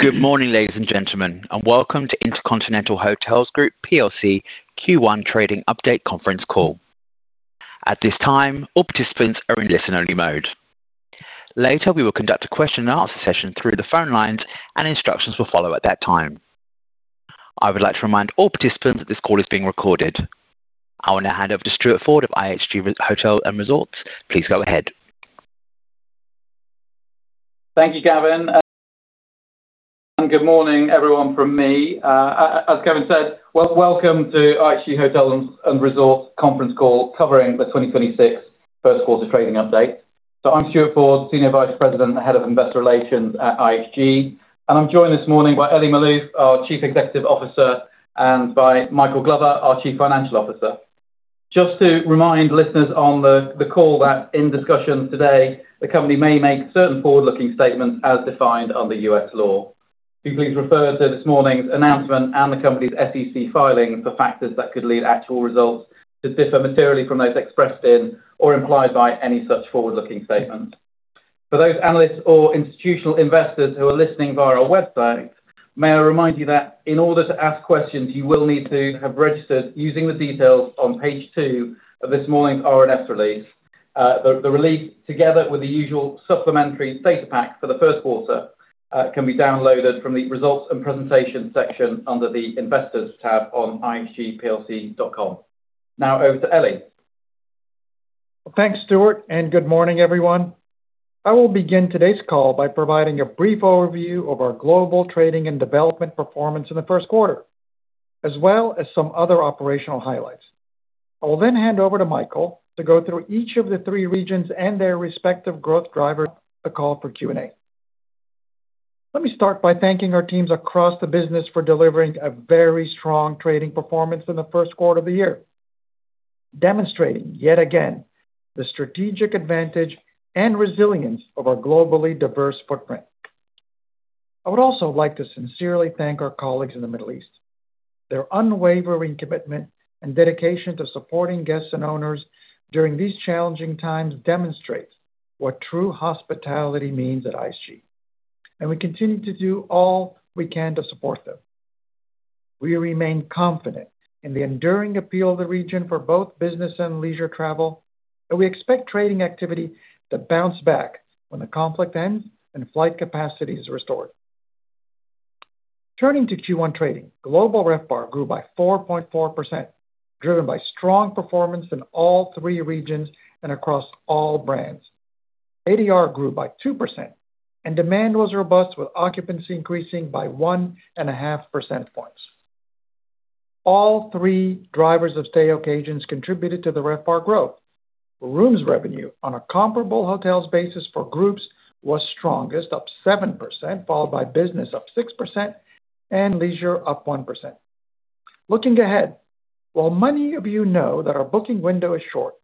Good morning, ladies and gentlemen, and welcome to InterContinental Hotels Group PLC Q1 Trading Update Conference Call. At this time, all participants are in listen-only mode. Later, we will conduct a question and answer session through the phone lines and instructions will follow at that time. I would like to remind all participants that this call is being recorded. I will now hand over to Stuart Ford of IHG Hotels & Resorts. Please go ahead. Thank you, Gavin, and good morning everyone from me. As Gavin said, welcome to IHG Hotels & Resorts conference call covering the 2026 first quarter trading update. I'm Stuart Ford, Senior Vice President, Head of Investor Relations at IHG, and I'm joined this morning by Elie Maalouf, our Chief Executive Officer, and by Michael Glover, our Chief Financial Officer. Just to remind listeners on the call that in discussions today, the company may make certain forward-looking statements as defined under U.S. law. Please refer to this morning's announcement and the company's SEC filings for factors that could lead actual results to differ materially from those expressed in or implied by any such forward-looking statements. For those analysts or institutional investors who are listening via our website, may I remind you that in order to ask questions, you will need to have registered using the details on page two of this morning's RNS release. The release together with the usual supplementary data pack for the first quarter can be downloaded from the Results and Presentation section under the Investors tab on ihgplc.com. Over to Elie. Thanks, Stuart. Good morning, everyone. I will begin today's call by providing a brief overview of our global trading and development performance in the first quarter, as well as some other operational highlights. I will then hand over to Michael to go through each of the three regions and their respective growth drivers before the call for Q&A. Let me start by thanking our teams across the business for delivering a very strong trading performance in the first quarter of the year, demonstrating, yet again, the strategic advantage and resilience of our globally diverse footprint. I would also like to sincerely thank our colleagues in the Middle East. Their unwavering commitment and dedication to supporting guests and owners during these challenging times demonstrates what true hospitality means at IHG, and we continue to do all we can to support them. We remain confident in the enduring appeal of the region for both business and leisure travel, and we expect trading activity to bounce back when the conflict ends and flight capacity is restored. Turning to Q1 trading, global RevPAR grew by 4.4%, driven by strong performance in all three regions and across all brands. ADR grew by 2%, and demand was robust with occupancy increasing by 1.5 percentage points. All three drivers of stay occasions contributed to the RevPAR growth. Rooms revenue on a comparable hotels basis for groups was strongest, up 7%, followed by business up 6% and leisure up 1%. Looking ahead, while many of you know that our booking window is short,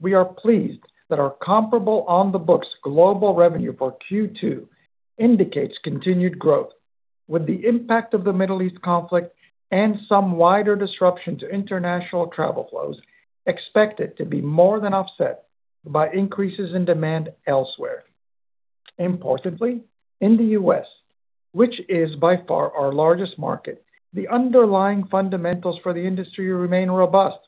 we are pleased that our comparable on the books global revenue for Q2 indicates continued growth. With the impact of the Middle East conflict and some wider disruption to international travel flows expected to be more than offset by increases in demand elsewhere. Importantly, in the U.S., which is by far our largest market, the underlying fundamentals for the industry remain robust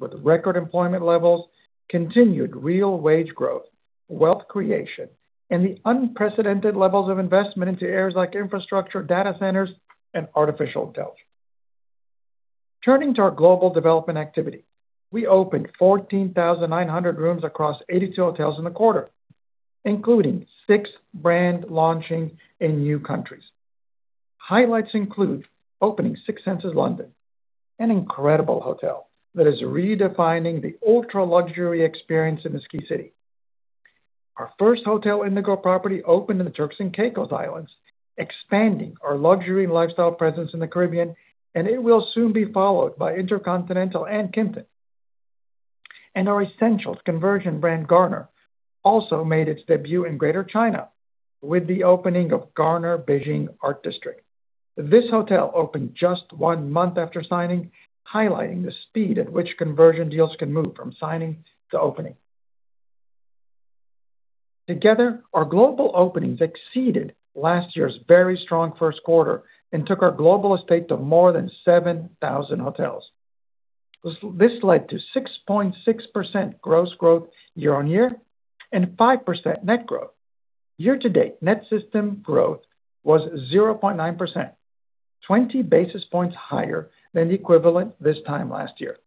with record employment levels, continued real wage growth, wealth creation, and the unprecedented levels of investment into areas like infrastructure, data centers, and artificial intelligence. Turning to our global development activity, we opened 14,900 rooms across 82 hotels in the quarter, including six brand launching in new countries. Highlights include opening Six Senses London, an incredible hotel that is redefining the ultra-luxury experience in the city. Our first Hotel Indigo property opened in the Turks and Caicos Islands, expanding our luxury lifestyle presence in the Caribbean, and it will soon be followed by InterContinental and Kimpton. Our Essentials conversion brand Garner also made its debut in Greater China with the opening of Garner Beijing Art District. This hotel opened just one month after signing, highlighting the speed at which conversion deals can move from signing to opening. Together, our global openings exceeded last year's very strong first quarter and took our global estate to more than 7,000 hotels. This led to 6.6% gross growth year-on-year and 5% net growth. Year-to-date, net system growth was 0.9%, 20 basis points higher than the equivalent this time last year.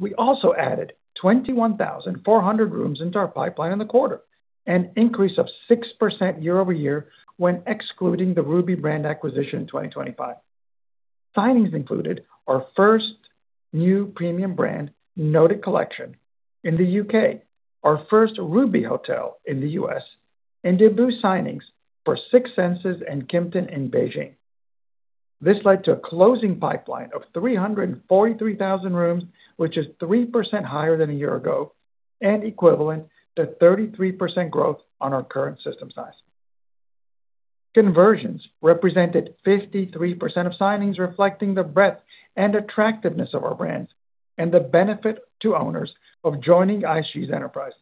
We also added 21,400 rooms into our pipeline in the quarter, an increase of 6% year-over-year when excluding the Ruby brand acquisition in 2025. Signings included our first new premium brand, Vignette Collection, in the U.K., our first Ruby hotel in the U.S., and debut signings for Six Senses and Kimpton in Beijing. This led to a closing pipeline of 343,000 rooms, which is 3% higher than a year ago and equivalent to 33% growth on our current system size. Conversions represented 53% of signings, reflecting the breadth and attractiveness of our brands and the benefit to owners of joining IHG's enterprise.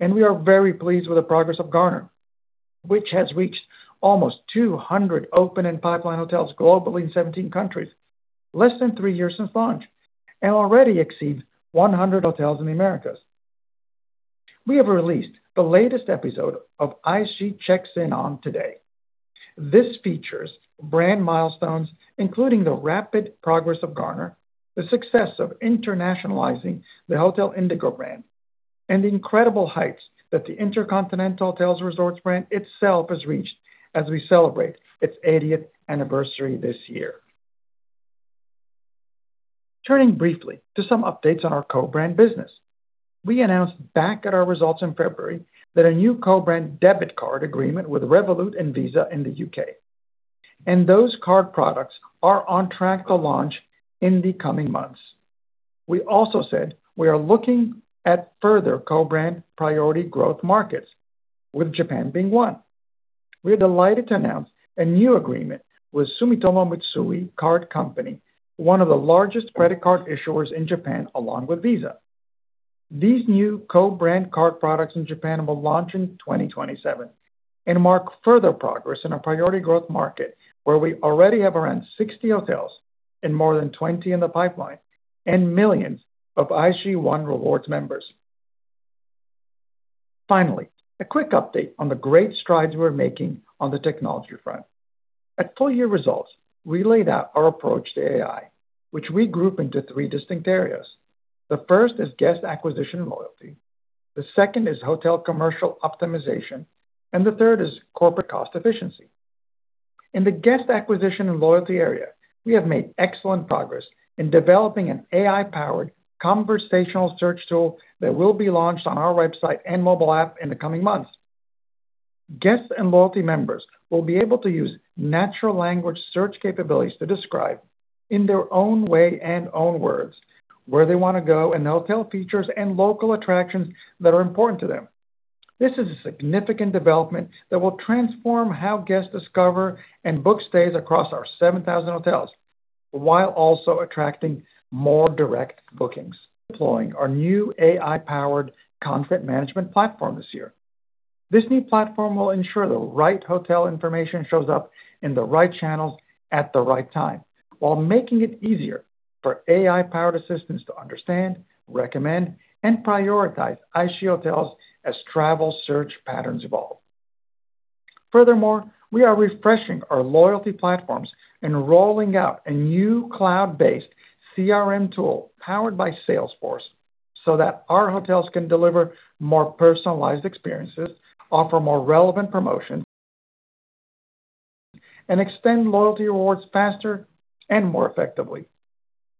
We are very pleased with the progress of Garner, which has reached almost 200 open and pipeline hotels globally in 17 countries, less than three years since launch, and already exceeds 100 hotels in the Americas. We have released the latest episode of IHG Checks In On today. This features brand milestones, including the rapid progress of Garner, the success of internationalizing the Hotel Indigo brand, and the incredible heights that the InterContinental Hotels & Resorts brand itself has reached as we celebrate its 80th anniversary this year. Turning briefly to some updates on our co-brand business. We announced back at our results in February that a new co-brand debit card agreement with Revolut and Visa in the U.K., and those card products are on track to launch in the coming months. We also said we are looking at further co-brand priority growth markets, with Japan being one. We're delighted to announce a new agreement with Sumitomo Mitsui Card Company, one of the largest credit card issuers in Japan, along with Visa. These new co-brand card products in Japan will launch in 2027 and mark further progress in a priority growth market where we already have around 60 hotels and more than 20 in the pipeline and millions of IHG One Rewards members. A quick update on the great strides we're making on the technology front. At full year results, we laid out our approach to AI, which we group into three distinct areas. The first is guest acquisition and loyalty, the second is hotel commercial optimization, and the third is corporate cost efficiency. In the guest acquisition and loyalty area, we have made excellent progress in developing an AI-powered conversational search tool that will be launched on our website and mobile app in the coming months. Guests and loyalty members will be able to use natural language search capabilities to describe in their own way and own words where they want to go and the hotel features and local attractions that are important to them. This is a significant development that will transform how guests discover and book stays across our 7,000 hotels while also attracting more direct bookings. Deploying our new AI-powered content management platform this year. This new platform will ensure the right hotel information shows up in the right channels at the right time while making it easier for AI-powered assistants to understand, recommend, and prioritize IHG Hotels as travel search patterns evolve. We are refreshing our loyalty platforms and rolling out a new cloud-based CRM tool powered by Salesforce so that our hotels can deliver more personalized experiences, offer more relevant promotions, and extend loyalty rewards faster and more effectively.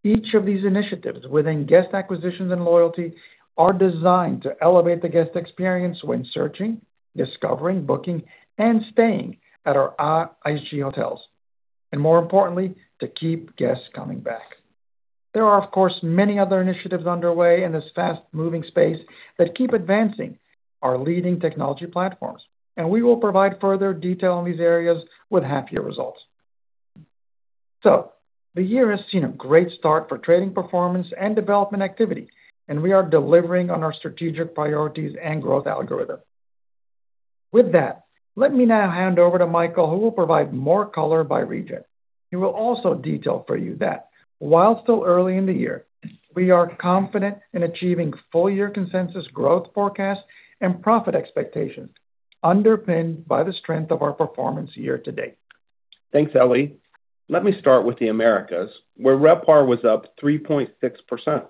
Each of these initiatives within guest acquisitions and loyalty are designed to elevate the guest experience when searching, discovering, booking, and staying at our IHG Hotels, and more importantly, to keep guests coming back. There are, of course, many other initiatives underway in this fast-moving space that keep advancing our leading technology platforms, and we will provide further detail in these areas with half year results. The year has seen a great start for trading performance and development activity, and we are delivering on our strategic priorities and growth algorithm. With that, let me now hand over to Michael, who will provide more color by region. He will also detail for you that while still early in the year, we are confident in achieving full year consensus growth forecast and profit expectations underpinned by the strength of our performance year to date. Thanks, Elie. Let me start with the Americas, where RevPAR was up 3.6%.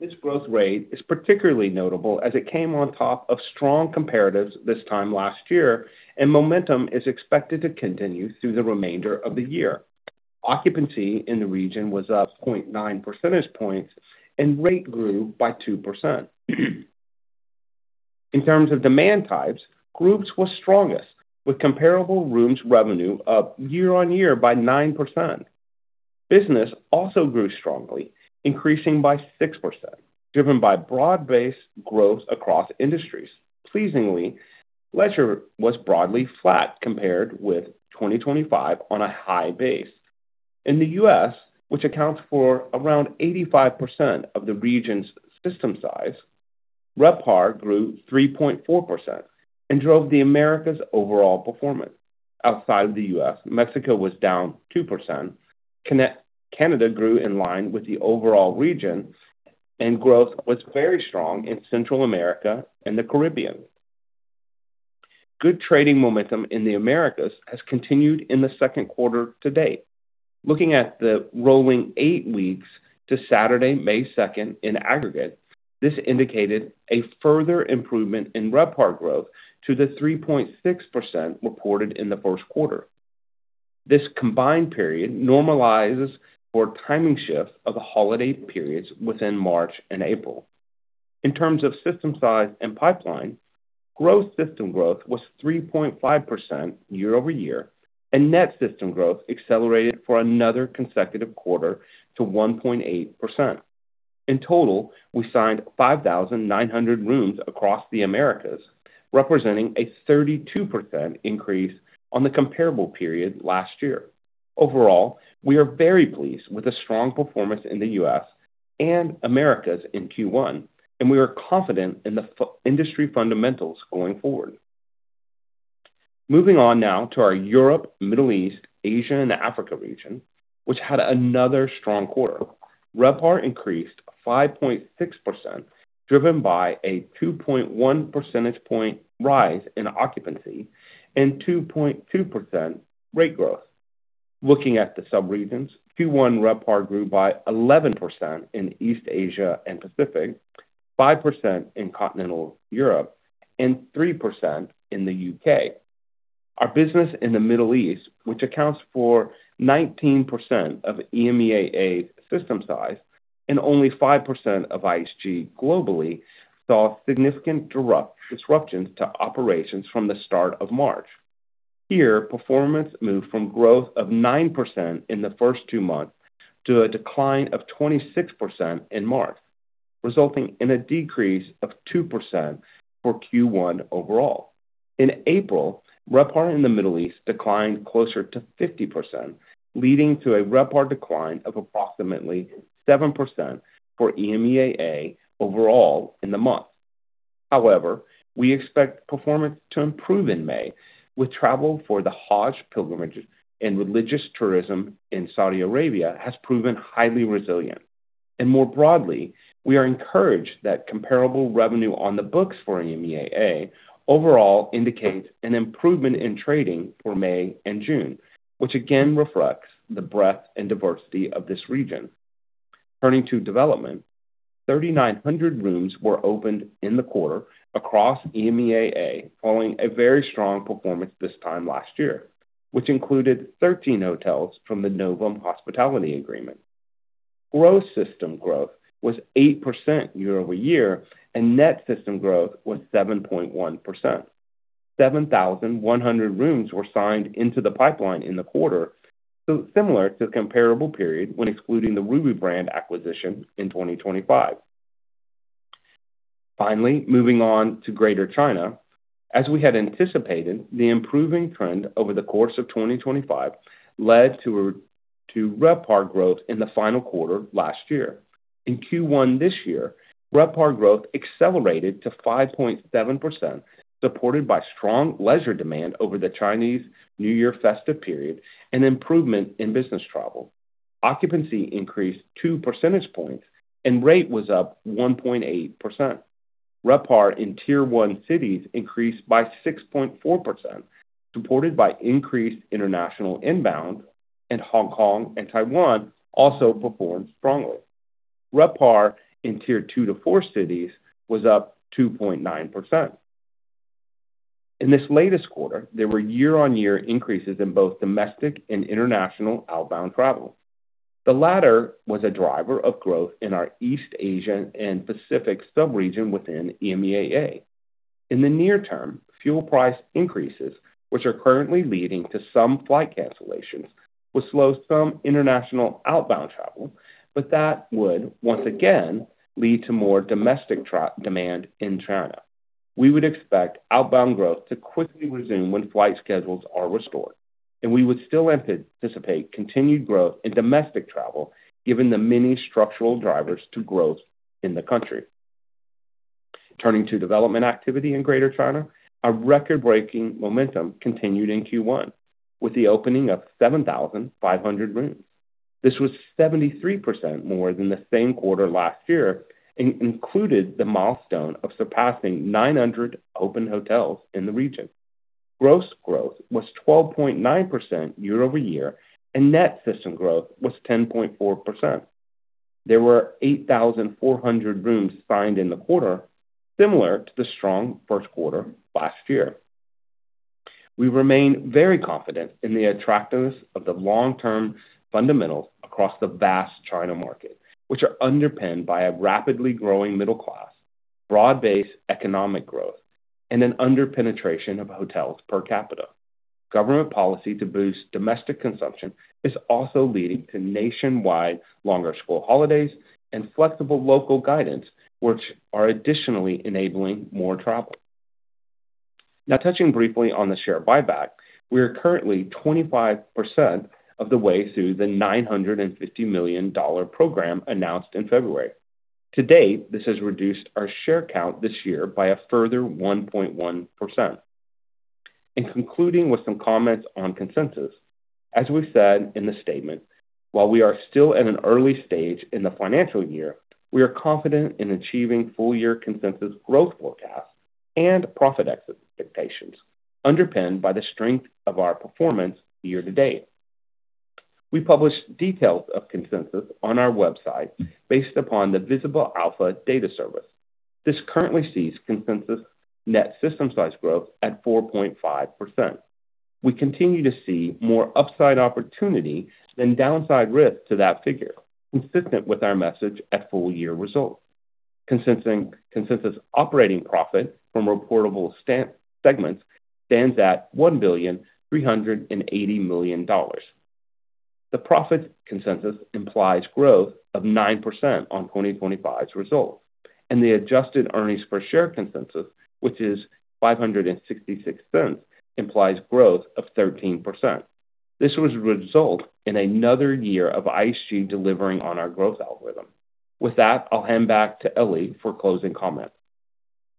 This growth rate is particularly notable as it came on top of strong comparatives this time last year, and momentum is expected to continue through the remainder of the year. Occupancy in the region was up 0.9 percentage points, and rate grew by 2%. In terms of demand types, groups were strongest, with comparable rooms revenue up year on year by 9%. Business also grew strongly, increasing by 6%, driven by broad-based growth across industries. Pleasingly, leisure was broadly flat compared with 2025 on a high base. In the U.S., which accounts for around 85% of the region's system size, RevPAR grew 3.4% and drove the Americas' overall performance. Outside of the U.S., Mexico was down 2%. Canada grew in line with the overall region, and growth was very strong in Central America and the Caribbean. Good trading momentum in the Americas has continued in the second quarter to date. Looking at the rolling eight weeks to Saturday, May 2nd in aggregate, this indicated a further improvement in RevPAR growth to the 3.6% reported in the first quarter. This combined period normalizes for timing shifts of the holiday periods within March and April. In terms of system size and pipeline, gross system growth was 3.5% year-over-year, and net system growth accelerated for another consecutive quarter to 1.8%. In total, we signed 5,900 rooms across the Americas, representing a 32% increase on the comparable period last year. Overall, we are very pleased with the strong performance in the U.S. and Americas in Q1, and we are confident in the industry fundamentals going forward. Moving on now to our Europe, Middle East, Asia, and Africa region, which had another strong quarter. RevPAR increased 5.6%, driven by a 2.1 percentage point rise in occupancy and 2.2% rate growth. Looking at the subregions, Q1 RevPAR grew by 11% in East Asia and Pacific, 5% in Continental Europe, and 3% in the U.K. Our business in the Middle East, which accounts for 19% of EMEAA system size and only 5% of IHG globally, saw significant disruptions to operations from the start of March. Here, performance moved from growth of 9% in the first two months to a decline of 26% in March, resulting in a decrease of 2% for Q1 overall. In April, RevPAR in the Middle East declined closer to 50%, leading to a RevPAR decline of approximately 7% for EMEAA overall in the month. We expect performance to improve in May with travel for the Hajj pilgrimages, and religious tourism in Saudi Arabia has proven highly resilient. We are encouraged that comparable revenue on the books for EMEAA overall indicates an improvement in trading for May and June, which again reflects the breadth and diversity of this region. Turning to development, 3,900 rooms were opened in the quarter across EMEAA, following a very strong performance this time last year, which included 13 hotels from the NOVUM Hospitality agreement. Gross system growth was 8% year-over-year, and net system growth was 7.1%. 7,100 rooms were signed into the pipeline in the quarter, so similar to the comparable period when excluding the Ruby brand acquisition in 2025. Finally, moving on to Greater China. As we had anticipated, the improving trend over the course of 2025 led to RevPAR growth in the final quarter last year. In Q1 this year, RevPAR growth accelerated to 5.7%, supported by strong leisure demand over the Chinese New Year festive period and improvement in business travel. Occupancy increased 2 percentage points and rate was up 1.8%. RevPAR in Tier 1 cities increased by 6.4%, supported by increased international inbound, and Hong Kong and Taiwan also performed strongly. RevPAR in Tier 2-4 cities was up 2.9%. In this latest quarter, there were year-on-year increases in both domestic and international outbound travel. The latter was a driver of growth in our East Asian and Pacific subregion within EMEAA. In the near term, fuel price increases, which are currently leading to some flight cancellations, will slow some international outbound travel, that would, once again, lead to more domestic demand in China. We would expect outbound growth to quickly resume when flight schedules are restored, we would still anticipate continued growth in domestic travel given the many structural drivers to growth in the country. Turning to development activity in Greater China, a record-breaking momentum continued in Q1 with the opening of 7,500 rooms. This was 73% more than the same quarter last year and included the milestone of surpassing 900 open hotels in the region. Gross growth was 12.9% year-over-year, and net system growth was 10.4%. There were 8,400 rooms signed in the quarter, similar to the strong first quarter last year. We remain very confident in the attractiveness of the long-term fundamentals across the vast China market, which are underpinned by a rapidly growing middle class, broad-based economic growth, and an under-penetration of hotels per capita. Government policy to boost domestic consumption is also leading to nationwide longer school holidays and flexible local guidance, which are additionally enabling more travel. Now touching briefly on the share buyback. We are currently 25% of the way through the $950 million program announced in February. To date, this has reduced our share count this year by a further 1.1%. In concluding with some comments on consensus, as we've said in the statement, while we are still at an early stage in the financial year, we are confident in achieving full year consensus growth forecasts and profit expectations underpinned by the strength of our performance year to date. We published details of consensus on our website based upon the Visible Alpha data service. This currently sees consensus net system size growth at 4.5%. We continue to see more upside opportunity than downside risk to that figure, consistent with our message at full year results. Consensus operating profit from reportable segments stands at $1.38 billion. The profit consensus implies growth of 9% on 2025's results. The adjusted earnings per share consensus, which is $5.66, implies growth of 13%. This would result in another year of IHG delivering on our growth algorithm. With that, I'll hand back to Elie for closing comments.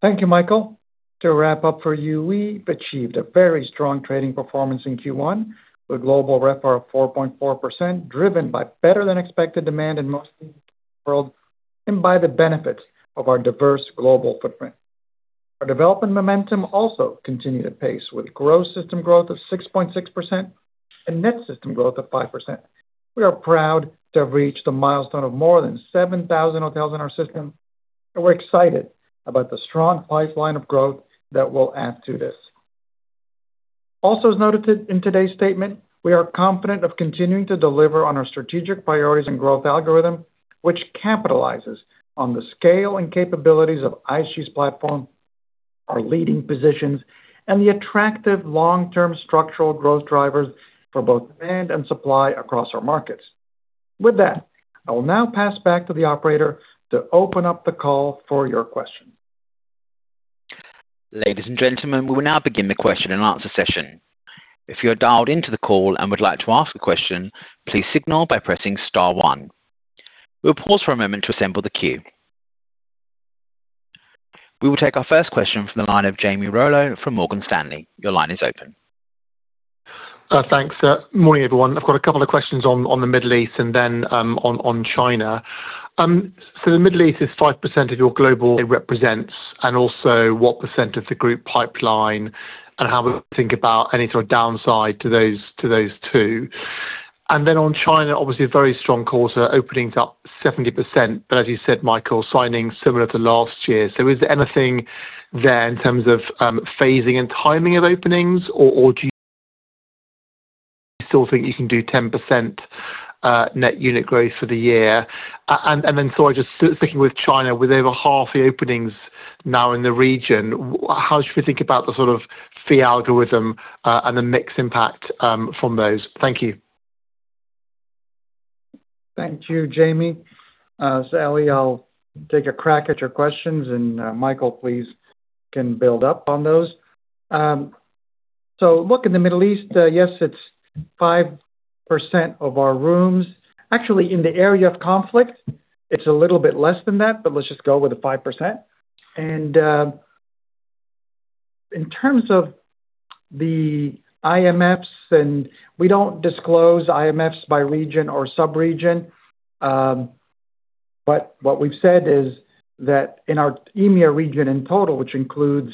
Thank you, Michael. To wrap up for you, we've achieved a very strong trading performance in Q1 with global RevPAR of 4.4%, driven by better than expected demand in most of the world and by the benefits of our diverse global footprint. Our development momentum also continued at pace with gross system growth of 6.6% and net system growth of 5%. We are proud to have reached a milestone of more than 7,000 hotels in our system, and we're excited about the strong pipeline of growth that will add to this. As we noted in today's statement, we are confident of continuing to deliver on our strategic priorities and growth algorithm, which capitalizes on the scale and capabilities of IHG's platform, our leading positions, and the attractive long-term structural growth drivers for both demand and supply across our markets. With that, I will now pass back to the operator to open up the call for your questions. Ladies and gentlemen, we will now begin the question-and-answer session. If you are dialed into the call and would like to ask a question, please signal by pressing star one. We will pause for a moment to assemble the queue. We will take our first question from the line of Jamie Rollo from Morgan Stanley. Your line is open. Thanks. Morning, everyone. I've got a couple of questions on the Middle East and then on China. The Middle East is 5% of your global represents and also what percent of the group pipeline and how we think about any sort of downside to those, to those two. On China, obviously a very strong quarter openings up 70%. As you said, Michael, signings similar to last year. Is there anything there in terms of phasing and timing of openings or do you still think you can do 10% net unit growth for the year? I just sticking with China with over half the openings now in the region, how should we think about the sort of fee algorithm and the mix impact from those? Thank you. Thank you, Jamie. Its Elie, I'll take a crack at your questions and Michael, please can build up on those. Look, in the Middle East, yes, it's 5% of our rooms. Actually, in the area of conflict, it's a little bit less than that, but let's just go with the 5%. In terms of the IMFs, we don't disclose IMFs by region or sub-region. What we've said is that in our EMEAA region in total, which includes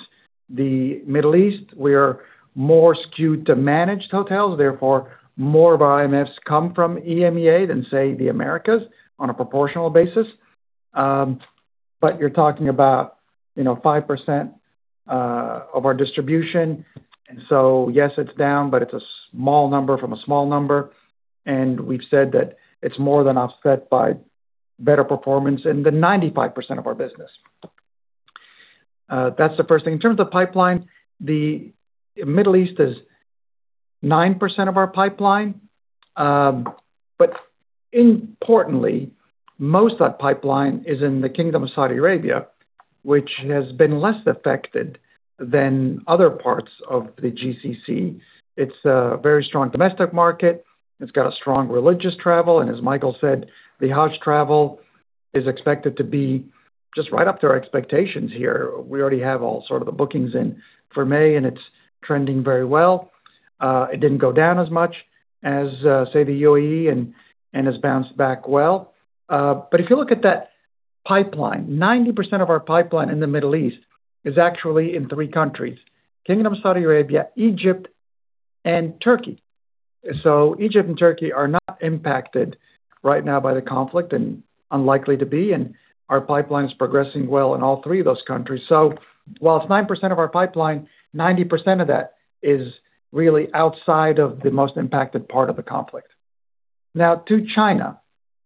the Middle East, we are more skewed to managed hotels. Therefore, more of our IMFs come from EMEAA than, say, the Americas on a proportional basis. You're talking about, you know, 5% of our distribution. Yes, it's down, but it's a small number from a small number. We've said that it's more than offset by better performance in the 95% of our business. That's the first thing. In terms of pipeline, the Middle East is 9% of our pipeline. Importantly, most of that pipeline is in the Kingdom of Saudi Arabia, which has been less affected than other parts of the GCC. It's a very strong domestic market. It's got a strong religious travel. As Michael said, the Hajj travel is expected to be just right up to our expectations here. We already have all sort of the bookings in for May, and it's trending very well. It didn't go down as much as, say, the UAE and has bounced back well. If you look at that pipeline, 90% of our pipeline in the Middle East is actually in three countries, Kingdom of Saudi Arabia, Egypt, and Turkey. Egypt and Turkey are not impacted right now by the conflict and unlikely to be, and our pipeline is progressing well in all three of those countries. Now to China.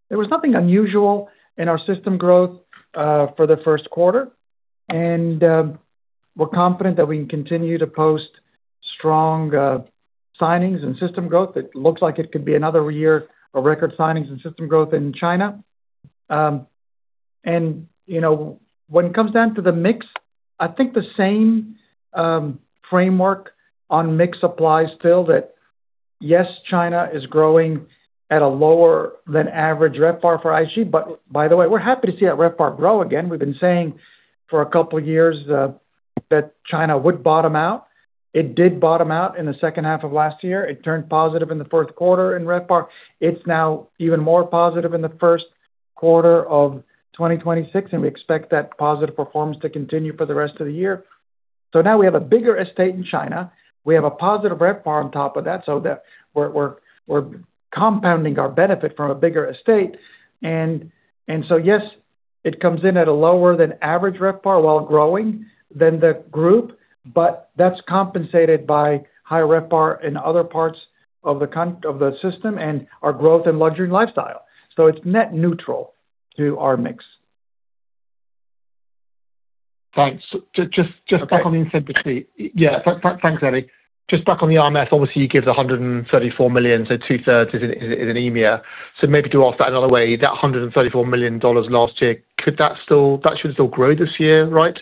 There was nothing unusual in our system growth for the first quarter. We're confident that we can continue to post strong signings and system growth. It looks like it could be another year of record signings and system growth in China. You know, when it comes down to the mix, I think the same framework on mix applies still that, yes, China is growing at a lower than average RevPAR for IHG. By the way, we're happy to see that RevPAR grow again. We've been saying for a couple of years that China would bottom out. It did bottom out in the second half of last year. It turned positive in the fourth quarter in RevPAR. It's now even more positive in the first quarter of 2026, and we expect that positive performance to continue for the rest of the year. Now we have a bigger estate in China. We have a positive RevPAR on top of that so that we're compounding our benefit from a bigger estate. Yes, it comes in at a lower than average RevPAR while growing than the group, but that's compensated by high RevPAR in other parts of the system and our growth in luxury and lifestyle. It's net neutral to our mix. Just back on the incentive fee. Yeah. Thanks, Elie. Just back on the incentive fee, obviously you give the $134 million, so two thirds is in EMEA. Maybe to ask that another way, that $134 million last year, that should still grow this year, right?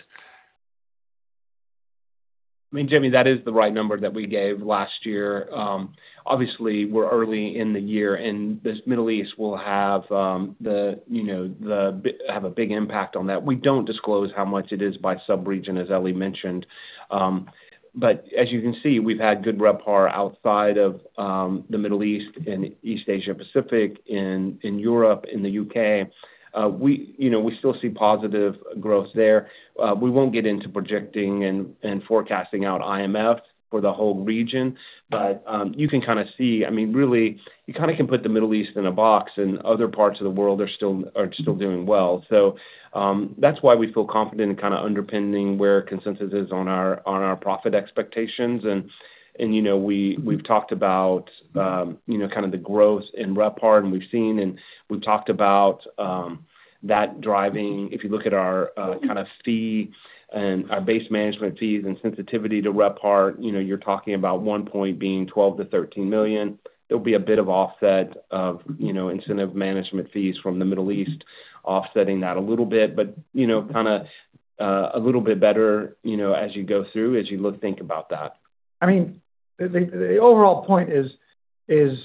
I mean, Jimmy, that is the right number that we gave last year. Obviously we're early in the year, and this Middle East will have, the, you know, have a big impact on that. We don't disclose how much it is by sub-region, as Elie mentioned. As you can see, we've had good RevPAR outside of the Middle East and East Asia Pacific, in Europe, in the U.K. We, you know, we still see positive growth there. We won't get into projecting and forecasting out IMF for the whole region. You can kind of see I mean, really, you kind of can put the Middle East in a box and other parts of the world are still doing well. That's why we feel confident in kind of underpinning where consensus is on our, on our profit expectations. You know, we've talked about, you know, kind of the growth in RevPAR, and we've seen and we've talked about that driving. If you look at our, kind of fee and our base management fees and sensitivity to RevPAR, you know, you're talking about 1 point being $12 million-$13 million. There'll be a bit of offset of, you know, incentive management fees from the Middle East offsetting that a little bit. You know, kinda, a little bit better, you know, as you go through, as you think about that. I mean, the overall point is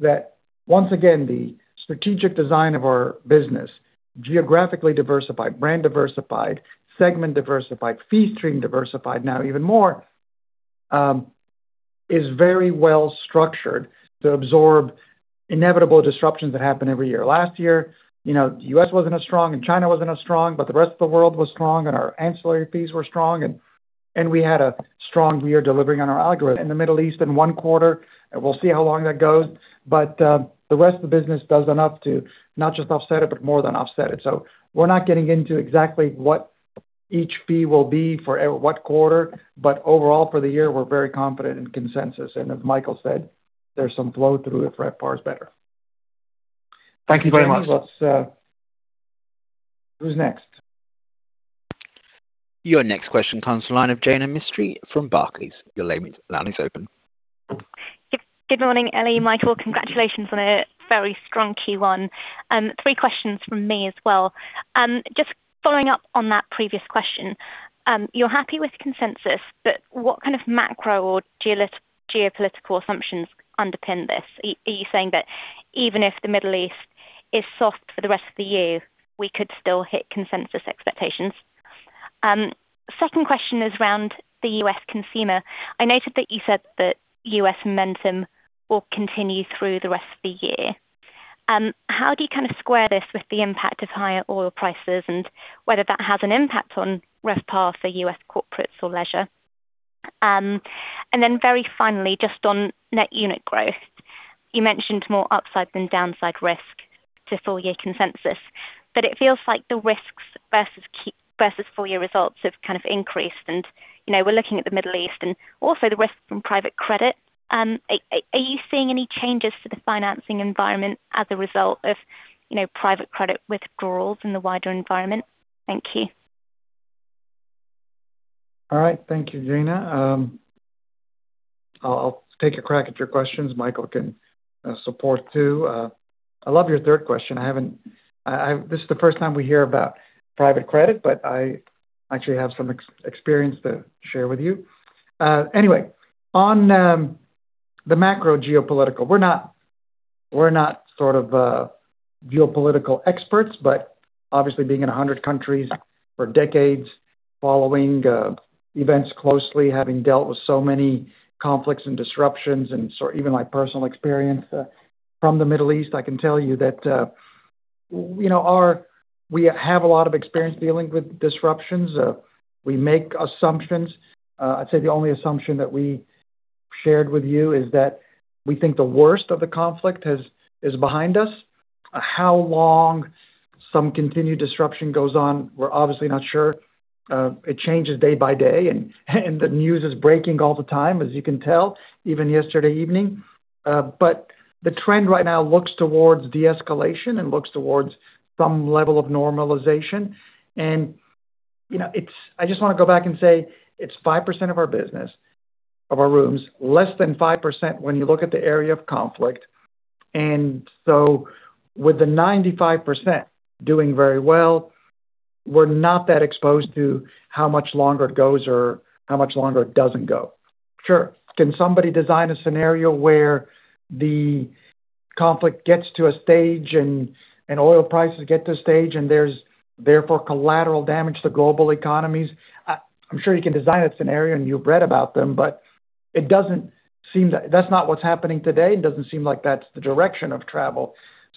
that once again, the strategic design of our business, geographically diversified, brand diversified, segment diversified, fee stream diversified now even more, is very well structured to absorb inevitable disruptions that happen every year. Last year, you know, U.S. wasn't as strong and China wasn't as strong, the rest of the world was strong and our ancillary fees were strong and we had a strong year delivering on our algorithm. In the Middle East in one quarter, and we'll see how long that goes. The rest of the business does enough to not just offset it, but more than offset it. We're not getting into exactly what each fee will be for what quarter, but overall for the year, we're very confident in consensus. As Michael said, there's some flow through if RevPAR is better. Thank you very much. Thanks. Let's. Who's next? Your next question comes to the line of Jaina Mistry from Barclays. Your line is open. Good morning, Elie, Michael. Congratulations on a very strong Q1. Three questions from me as well. Just following up on that previous question, you're happy with consensus, but what kind of macro or geopolitical assumptions underpin this? Are you saying that even if the Middle East is soft for the rest of the year, we could still hit consensus expectations? Second question is around the U.S. consumer. I note that you said that U.S. momentum will continue through the rest of the year. How do you kind of square this with the impact of higher oil prices and whether that has an impact on RevPAR for U.S. corporates or leisure? Very finally, just on net unit growth, you mentioned more upside than downside risk to full year consensus, but it feels like the risks versus full year results have kind of increased. You know, we're looking at the Middle East and also the risk from private credit. Are you seeing any changes to the financing environment as a result of, you know, private credit withdrawals in the wider environment? Thank you. All right. Thank you, Jaina. I'll take a crack at your questions. Michael can support too. I love your third question. This is the first time we hear about private credit, but I actually have some experience to share with you. Anyway, on the macro geopolitical, we're not sort of geopolitical experts, but obviously being in 100 countries for decades, following events closely, having dealt with so many conflicts and disruptions, even my personal experience from the Middle East, I can tell you that, you know, we have a lot of experience dealing with disruptions. We make assumptions. I'd say the only assumption that we shared with you is that we think the worst of the conflict is behind us. How long some continued disruption goes on, we're obviously not sure. It changes day by day and the news is breaking all the time, as you can tell, even yesterday evening. The trend right now looks towards de-escalation and looks towards some level of normalization. You know, I just wanna go back and say it's 5% of our business, of our rooms, less than 5% when you look at the area of conflict. With the 95% doing very well, we're not that exposed to how much longer it goes or how much longer it doesn't go. Sure. Can somebody design a scenario where the conflict gets to a stage and oil prices get to a stage, and there's therefore collateral damage to global economies? I'm sure you can design a scenario, and you've read about them, but it doesn't seem that's not what's happening today, and it doesn't seem like that's the direction of travel.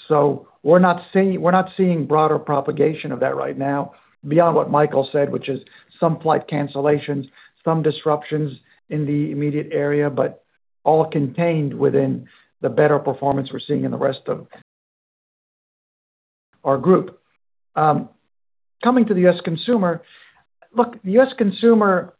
We're not seeing broader propagation of that right now beyond what Michael said, which is some flight cancellations, some disruptions in the immediate area, but all contained within the better performance we're seeing in the rest of our group. Coming to the U.S. consumer. Look, the U.S. consumer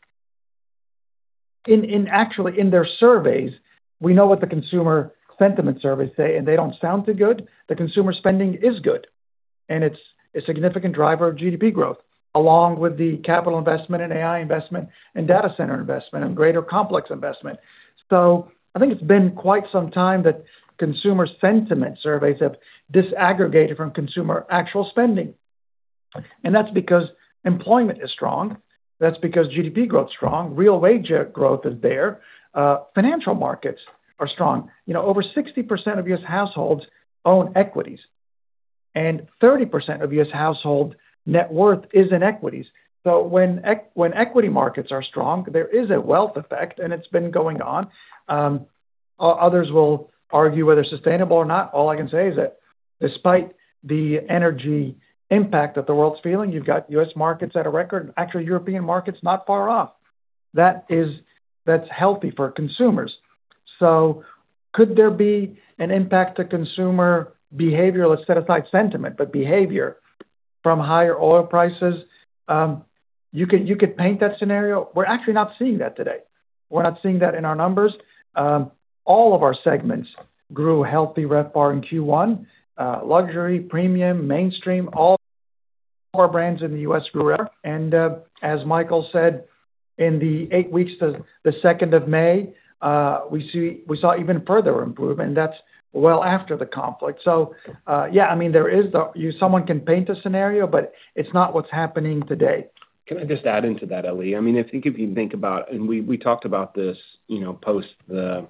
in actually in their surveys, we know what the consumer sentiment surveys say, and they don't sound too good. The consumer spending is good, and it's a significant driver of GDP growth, along with the capital investment and AI investment and data center investment and greater complex investment. I think it's been quite some time that consumer sentiment surveys have disaggregated from consumer actual spending. That's because employment is strong, that's because GDP growth is strong, real wage growth is there. Financial markets are strong. You know, over 60% of U.S. households own equities, and 30% of U.S. household net worth is in equities. When equity markets are strong, there is a wealth effect, and it's been going on. Others will argue whether it's sustainable or not. All I can say is that despite the energy impact that the world's feeling, you've got U.S. markets at a record and actually European markets not far off. That's healthy for consumers. Could there be an impact to consumer behavior, let's set aside sentiment, but behavior from higher oil prices? You could paint that scenario. We're actually not seeing that today. We're not seeing that in our numbers. All of our segments grew healthy RevPAR in Q1. Luxury, premium, mainstream, all core brands in the U.S. grew rev. As Michael said, in the eight weeks to the 2nd of May, we saw even further improvement. That's well after the conflict. I mean, someone can paint a scenario, but it's not what's happening today. Can I just add into that, Elie? I mean, I think if you think about, and we talked about this, you know, post the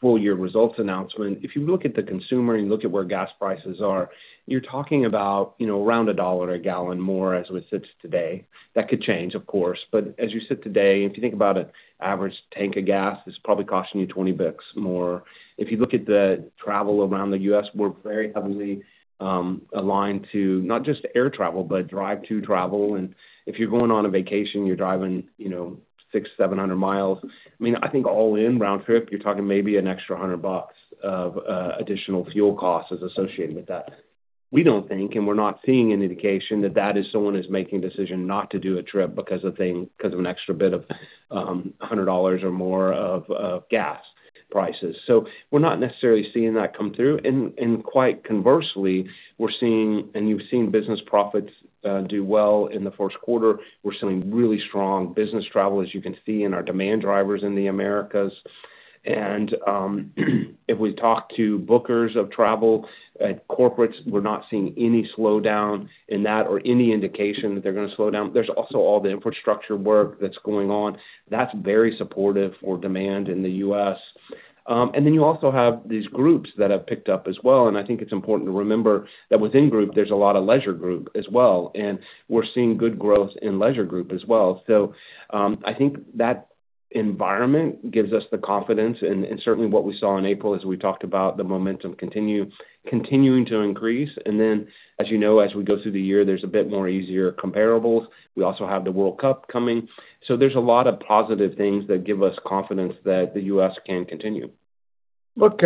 full year results announcement. If you look at the consumer and you look at where gas prices are, you're talking about, you know, around a $1 a gallon more as it sits today. That could change, of course. As you sit today, if you think about an average tank of gas, it's probably costing you $20 more. If you look at the travel around the U.S., we're very heavily aligned to not just air travel, but drive to travel. If you're going on a vacation, you're driving, you know, 6, 700 miles. I mean, I think all in round trip, you're talking maybe an extra $100 of additional fuel costs associated with that. We don't think we're not seeing any indication that that is someone who's making a decision not to do a trip because of an extra bit of $100 or more of gas prices. We're not necessarily seeing that come through. Quite conversely, we're seeing, you've seen business profits do well in the first quarter. We're seeing really strong business travel, as you can see in our demand drivers in the Americas. If we talk to bookers of travel at corporates, we're not seeing any slowdown in that or any indication that they're gonna slow down. There's also all the infrastructure work that's going on. That's very supportive for demand in the U.S. You also have these groups that have picked up as well, and I think it's important to remember that within group, there's a lot of leisure group as well, and we're seeing good growth in leisure group as well. I think that environment gives us the confidence and certainly what we saw in April as we talked about the momentum continuing to increase. As you know, as we go through the year, there's a bit more easier comparables. We also have the World Cup coming. There's a lot of positive things that give us confidence that the U.S. can continue. Look,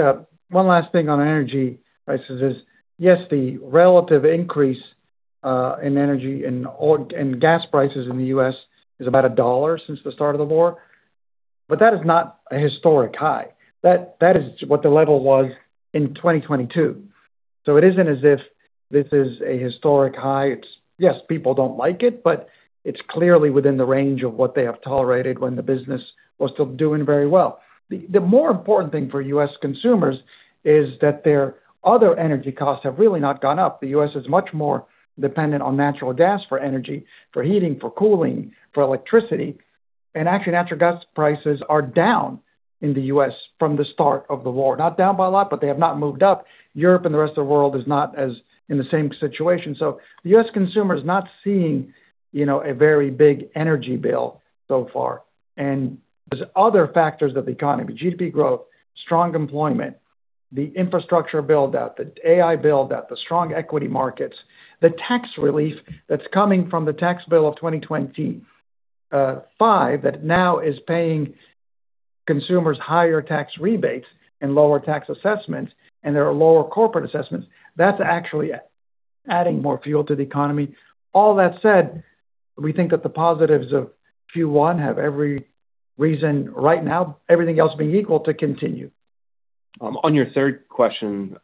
one last thing on energy prices is, yes, the relative increase, in energy in gas prices in the U.S. is about $1 since the start of the war, but that is not a historic high. That is what the level was in 2022. It isn't as if this is a historic high. Yes, people don't like it, but it's clearly within the range of what they have tolerated when the business was still doing very well. The more important thing for U.S. consumers is that their other energy costs have really not gone up. The U.S. is much more dependent on natural gas for energy, for heating, for cooling, for electricity. Actually, natural gas prices are down in the U.S. from the start of the war. Not down by a lot, but they have not moved up. Europe and the rest of the world is not as in the same situation. The U.S. consumer is not seeing, you know, a very big energy bill so far. There's other factors of the economy, GDP growth, strong employment, the infrastructure build-out, the AI build-out, the strong equity markets, the tax relief that's coming from the tax bill of 2025, that now is paying consumers higher tax rebates and lower tax assessments, and there are lower corporate assessments. That's actually adding more fuel to the economy. All that said, we think that the positives of Q1 have every reason right now, everything else being equal, to continue. On your third question,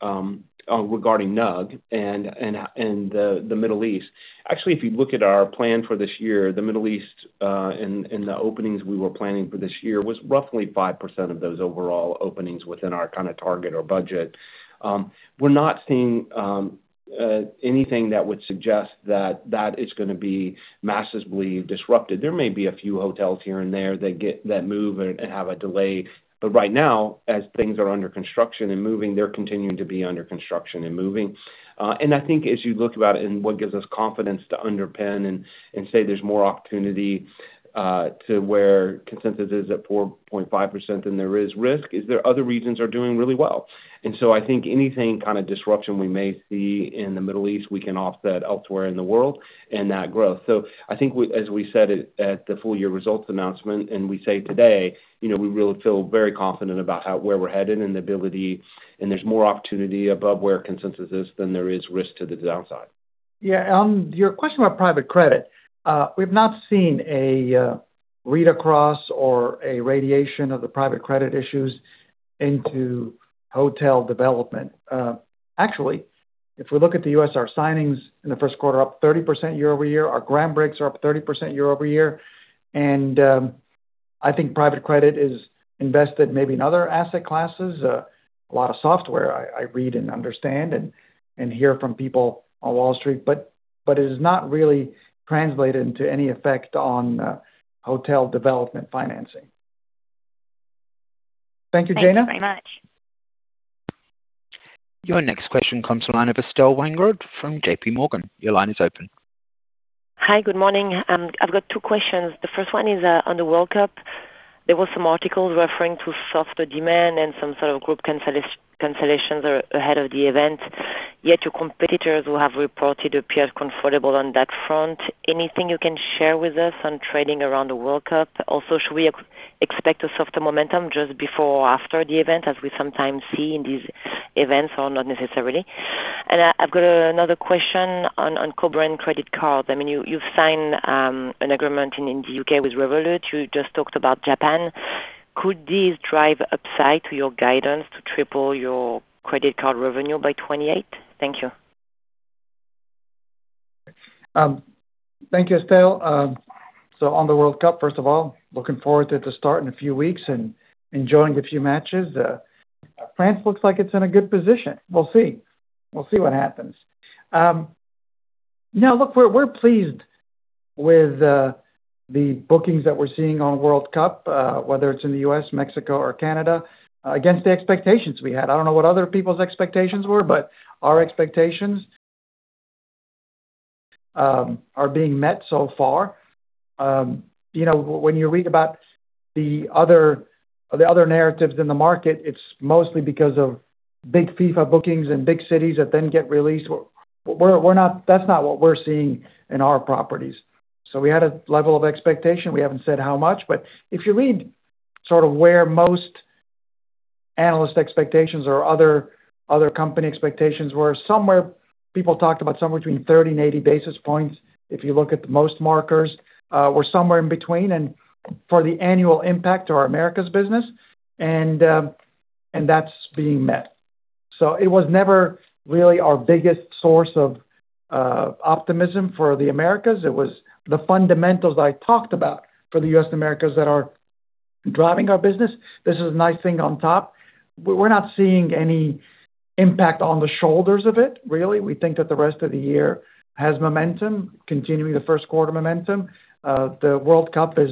regarding NUG and the Middle East. Actually, if you look at our plan for this year, the Middle East, and the openings we were planning for this year was roughly 5% of those overall openings within our kinda target or budget. We're not seeing anything that would suggest that that is gonna be massively disrupted. There may be a few hotels here and there that move and have a delay. Right now, as things are under construction and moving, they're continuing to be under construction and moving. I think as you look about it and what gives us confidence to underpin and say there's more opportunity to where consensus is at 4.5% than there is risk, is there are other regions are doing really well. I think anything kind of disruption we may see in the Middle East, we can offset elsewhere in the world and that growth. I think as we said at the full year results announcement and we say today, you know, we really feel very confident about where we're headed and the ability, and there's more opportunity above where consensus is than there is risk to the downside. Yeah. Your question about private credit. We've not seen a read-across or a radiation of the private credit issues into hotel development. Actually, if we look at the U.S., our signings in the first quarter up 30% year-over-year. Our ground breaks are up 30% year-over-year. I think private credit is invested maybe in other asset classes. A lot of software I read and understand and hear from people on Wall Street. It has not really translated into any effect on hotel development financing. Thank you, Jaina. Thanks very much. Your next question comes from the line of Estelle Weingrod from JPMorgan. Hi, good morning. I've got two questions. The first one is on the World Cup. There was some articles referring to softer demand and some sort of group cancellations ahead of the event. Your competitors who have reported appear comfortable on that front. Anything you can share with us on trading around the World Cup? Should we expect a softer momentum just before or after the event, as we sometimes see in these events or not necessarily? I've got another question on co-brand credit cards. I mean, you've signed an agreement in the U.K. with Revolut. You just talked about Japan. Could these drive upside to your guidance to triple your credit card revenue by 2028? Thank you. Thank you, Estelle. On the World Cup, first of all, looking forward to the start in a few weeks and enjoying a few matches. France looks like it's in a good position. We'll see. We'll see what happens. Now look, we're pleased with the bookings that we're seeing on World Cup, whether it's in the U.S., Mexico or Canada, against the expectations we had. I don't know what other people's expectations were, but our expectations are being met so far. You know, when you read about the other, the other narratives in the market, it's mostly because of big FIFA bookings in big cities that then get released. That's not what we're seeing in our properties. We had a level of expectation. We haven't said how much, but if you read sort of where most analyst expectations or other company expectations were, somewhere people talked about somewhere between 30 and 80 basis points. If you look at most markers, we're somewhere in between and for the annual impact to our Americas business and that's being met. It was never really our biggest source of optimism for the Americas. It was the fundamentals I talked about for the U.S. and Americas that are driving our business. This is a nice thing on top. We're not seeing any impact on the shoulders of it, really. We think that the rest of the year has momentum, continuing the first quarter momentum. The World Cup is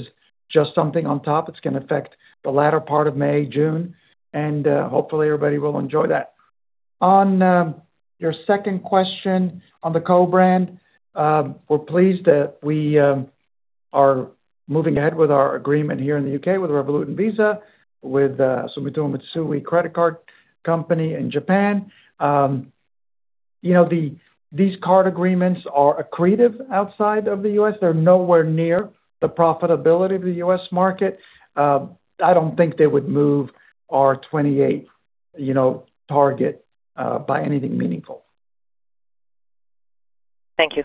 just something on top. It's gonna affect the latter part of May, June, and hopefully everybody will enjoy that. On your second question on the co-brand, we're pleased that we are moving ahead with our agreement here in the U.K. with Revolut and Visa, so we're doing with Sumitomo Mitsui Card Company in Japan. You know, these card agreements are accretive outside of the U.S. They're nowhere near the profitability of the U.S. market. I don't think they would move our 2028, you know, target by anything meaningful. Thank you.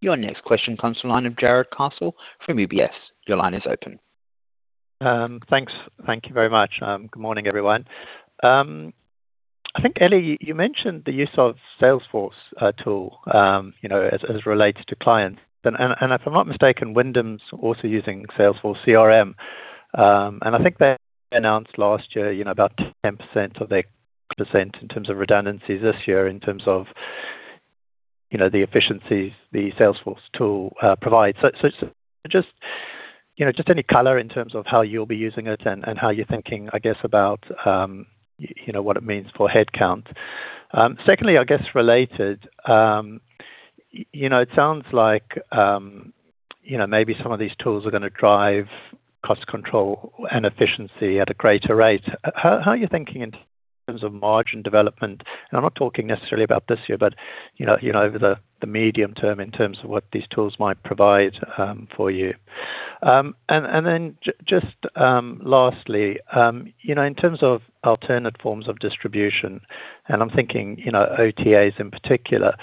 Your next question comes from the line of Jarrod Castle from UBS. Your line is open. Thanks. Thank you very much. Good morning, everyone. I think, Elie, you mentioned the use of Salesforce tool, you know, as relates to clients. If I'm not mistaken, Wyndham's also using Salesforce CRM. I think they announced last year, you know, about 10% of their percent in terms of redundancies this year in terms of, you know, the efficiencies the Salesforce tool provides. Just, you know, just any color in terms of how you'll be using it and how you're thinking, I guess, about, you know, what it means for headcount. Secondly, I guess related, you know, it sounds like, you know, maybe some of these tools are gonna drive cost control and efficiency at a greater rate. How are you thinking in terms of margin development? I'm not talking necessarily about this year, but you know, you know, over the medium term in terms of what these tools might provide for you. Just lastly, you know, in terms of alternate forms of distribution, and I'm thinking, you know, OTAs in particular,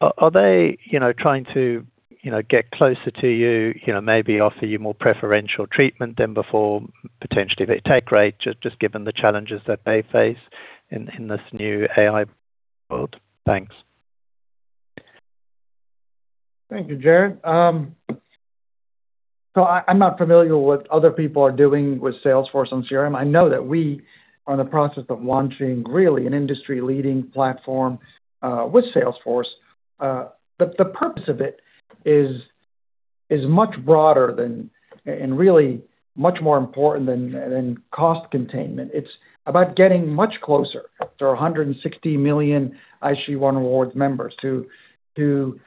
are they, you know, trying to, you know, get closer to you? You know, maybe offer you more preferential treatment than before, potentially take rate, just given the challenges that they face in this new AI world. Thanks. Thank you, Jarrod. I'm not familiar with what other people are doing with Salesforce on CRM. I know that we are in the process of launching really an industry-leading platform with Salesforce. The purpose of it is much broader than, and really much more important than cost containment. It's about getting much closer to our 160 million IHG One Rewards members to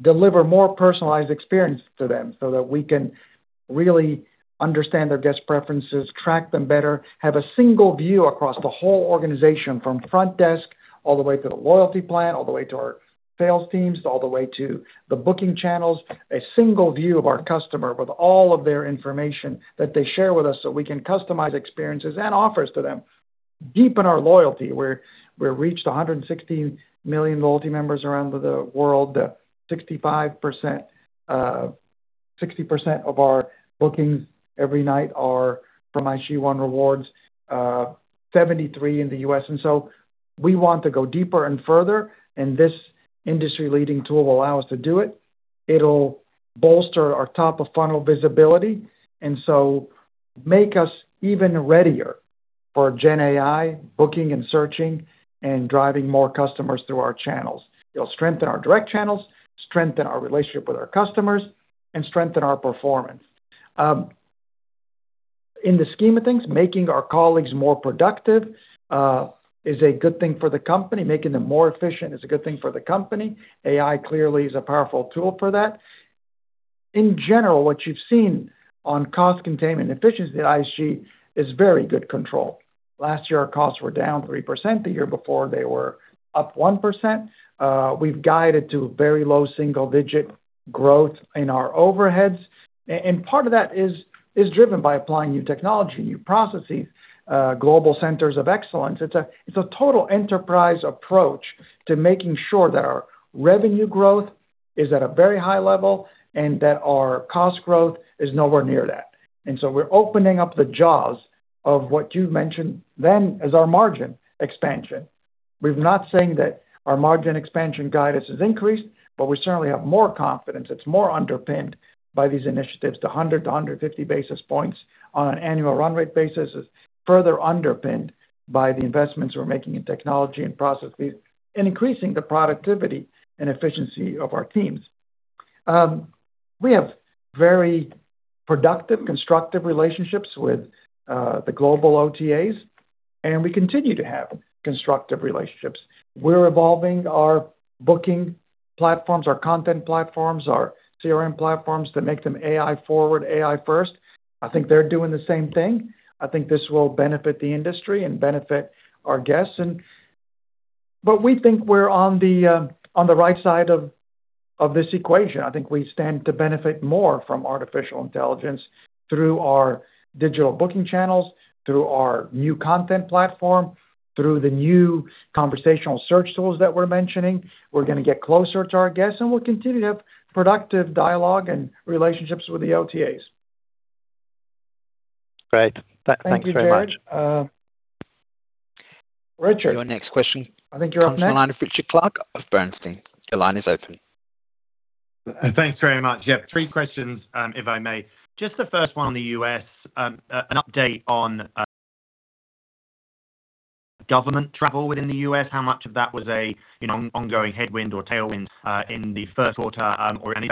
deliver more personalized experience to them so that we can really understand their guest preferences, track them better, have a single view across the whole organization from front desk, all the way to the loyalty plan, all the way to our sales teams, all the way to the booking channels. A single view of our customer with all of their information that they share with us so we can customize experiences and offers to them. Deepen our loyalty, we reached 160 million loyalty members around the world, 60% of our bookings every night are from IHG One Rewards, 73% in the U.S. We want to go deeper and further, and this industry-leading tool will allow us to do it. It'll bolster our top-of-funnel visibility, make us even readier for GenAI booking and searching and driving more customers through our channels. It'll strengthen our direct channels, strengthen our relationship with our customers, and strengthen our performance. In the scheme of things, making our colleagues more productive is a good thing for the company. Making them more efficient is a good thing for the company. AI clearly is a powerful tool for that. In general, what you've seen on cost containment and efficiency at IHG is very good control. Last year, our costs were down 3%. The year before, they were up 1%. We've guided to very low single-digit growth in our overheads. Part of that is driven by applying new technology, new processes, global centers of excellence. It's a total enterprise approach to making sure that our revenue growth is at a very high level and that our cost growth is nowhere near that. We're opening up the jaws of what you mentioned then as our margin expansion. We're not saying that our margin expansion guidance has increased, we certainly have more confidence. It's more underpinned by these initiatives. The 100-150 basis points on an annual run rate basis is further underpinned by the investments we're making in technology and processes and increasing the productivity and efficiency of our teams. We have very productive, constructive relationships with the global OTAs. We continue to have constructive relationships. We're evolving our booking platforms, our content platforms, our CRM platforms to make them AI forward, AI first. I think they're doing the same thing. I think this will benefit the industry and benefit our guests. We think we're on the right side of this equation. I think we stand to benefit more from artificial intelligence through our digital booking channels, through our new content platform, through the new conversational search tools that we're mentioning. We're gonna get closer to our guests. We'll continue to have productive dialogue and relationships with the OTAs. Great. Thanks very much. Thank you, Jarrod. Richard. Your next question. I think you're up next. Next line of Richard Clarke of Bernstein. Your line is open. Thanks very much. Three questions, if I may. Just the first one on the U.S., an update on government travel within the U.S., how much of that was a ongoing headwind or tailwind in the first quarter, or any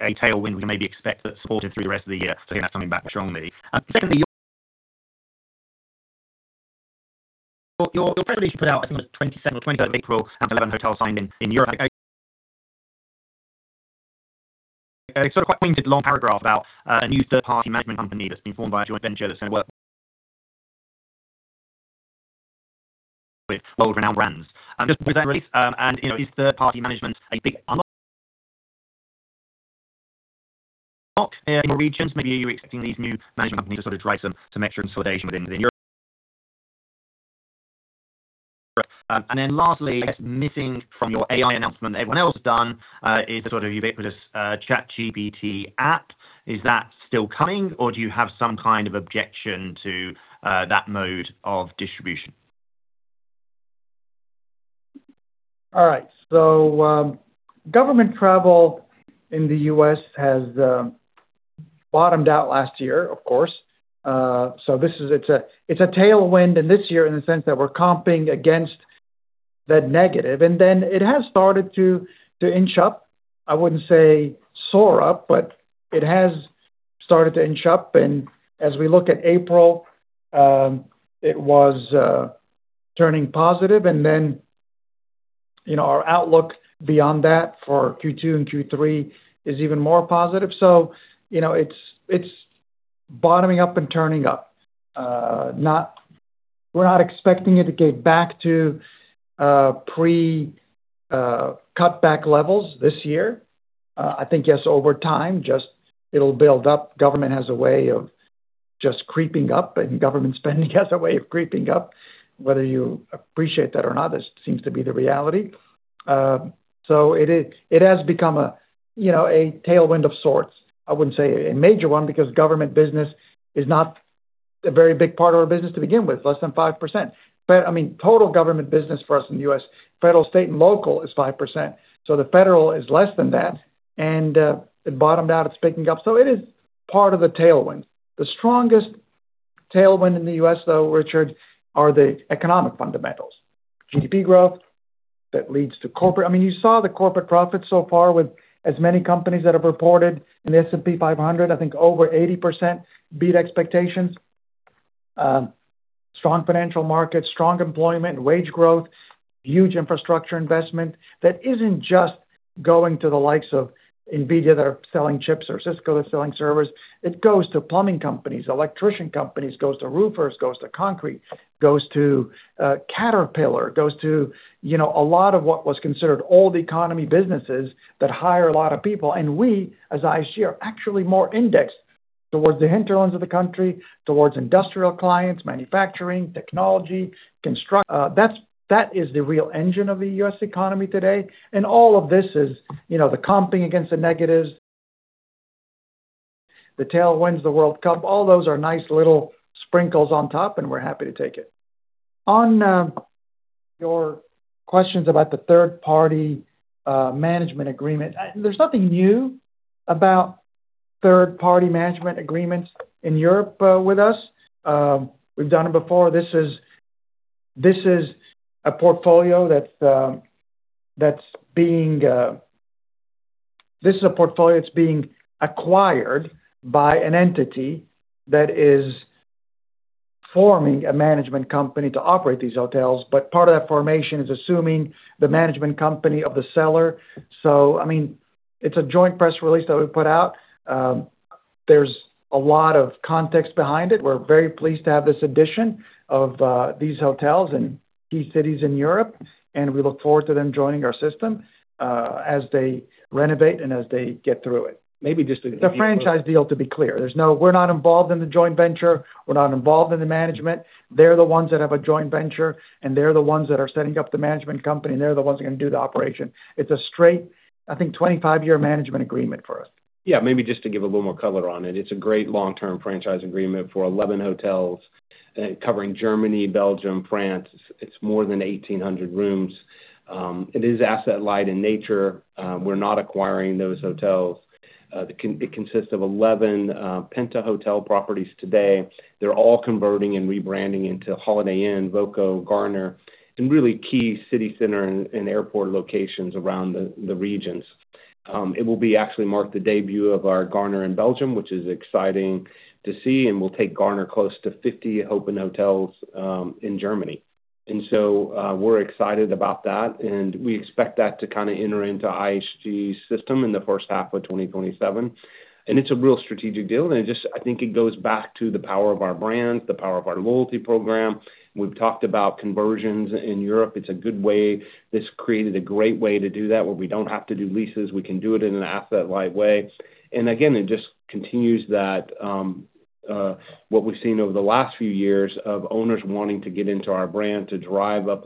a tailwind we maybe expect that's supported through the rest of the year, assuming that's something that's strong, maybe. Secondly, your press release put out, I think it was 27 or 23 of April, after 11 hotels signed in Europe. A sort of quite pointed long paragraph about a new third-party management company that's been formed by a joint venture that's gonna work with world-renowned brands. Just with that release, you know, is third-party management a big unlock in more regions? Maybe are you expecting these new management companies to sort of drive some extra consolidation within Europe? Lastly, I guess missing from your AI announcement that everyone else has done, is a sort of ubiquitous ChatGPT app. Is that still coming, or do you have some kind of objection to that mode of distribution? All right. Government travel in the U.S. has bottomed out last year, of course. It's a tailwind in this year in the sense that we're comping against that negative. It has started to inch up. I wouldn't say soar up, but it has started to inch up. As we look at April, it was turning positive. You know, our outlook beyond that for Q2 and Q3 is even more positive. You know, it's bottoming up and turning up. We're not expecting it to get back to pre cutback levels this year. I think, yes, over time, just it'll build up. Government has a way of just creeping up, and government spending has a way of creeping up. Whether you appreciate that or not, this seems to be the reality. It is, it has become a, you know, a tailwind of sorts. I wouldn't say a major one because government business is not a very big part of our business to begin with, less than 5%. I mean, total government business for us in the U.S., federal, state, and local is 5%. The federal is less than that, and it bottomed out. It's picking up. It is part of the tailwind. The strongest tailwind in the U.S., though, Richard, are the economic fundamentals. GDP growth, that leads to corporate. I mean, you saw the corporate profits so far with as many companies that have reported in the S&P 500, I think over 80% beat expectations. Strong financial markets, strong employment, wage growth, huge infrastructure investment that isn't just going to the likes of Nvidia that are selling chips or Cisco that's selling servers. It goes to plumbing companies, electrician companies, goes to roofers, goes to concrete, goes to Caterpillar, goes to, you know, a lot of what was considered old economy businesses that hire a lot of people. We, as IHG, are actually more indexed towards the hinterlands of the country, towards industrial clients, manufacturing, technology, that is the real engine of the U.S. economy today. All of this is, you know, the comping against the negatives. The tailwinds, the World Cup. All those are nice little sprinkles on top, and we're happy to take it. On your questions about the third party management agreement. There's nothing new about third party management agreements in Europe with us. We've done it before. This is a portfolio that's being acquired by an entity that is forming a management company to operate these hotels, but part of that formation is assuming the management company of the seller. I mean, it's a joint press release that we put out. There's a lot of context behind it. We're very pleased to have this addition of these hotels in key cities in Europe, and we look forward to them joining our system as they renovate and as they get through it. Maybe just to give you. It's a franchise deal, to be clear. We're not involved in the joint venture. We're not involved in the management. They're the ones that have a joint venture, they're the ones that are setting up the management company, and they're the ones that are going to do the operation. It's a straight, I think, 25-year management agreement for us. Yeah, maybe just to give a little more color on it. It's a great long-term franchise agreement for 11 hotels, covering Germany, Belgium, France. It's more than 1,800 rooms. It is asset-light in nature. We're not acquiring those hotels. It consists of 11 Penta Hotels properties today. They're all converting and rebranding into Holiday Inn, voco, Garner, and really key city center and airport locations around the regions. It will actually mark the debut of our Garner in Belgium, which is exciting to see and will take Garner close to 50 open hotels in Germany. We're excited about that, and we expect that to kinda enter into IHG system in the first half of 2027. It's a real strategic deal, I think it goes back to the power of our brands, the power of our loyalty program. We've talked about conversions in Europe. It's a good way. This created a great way to do that, where we don't have to do leases. We can do it in an asset light way. Again, it just continues that, what we've seen over the last few years of owners wanting to get into our brand to drive up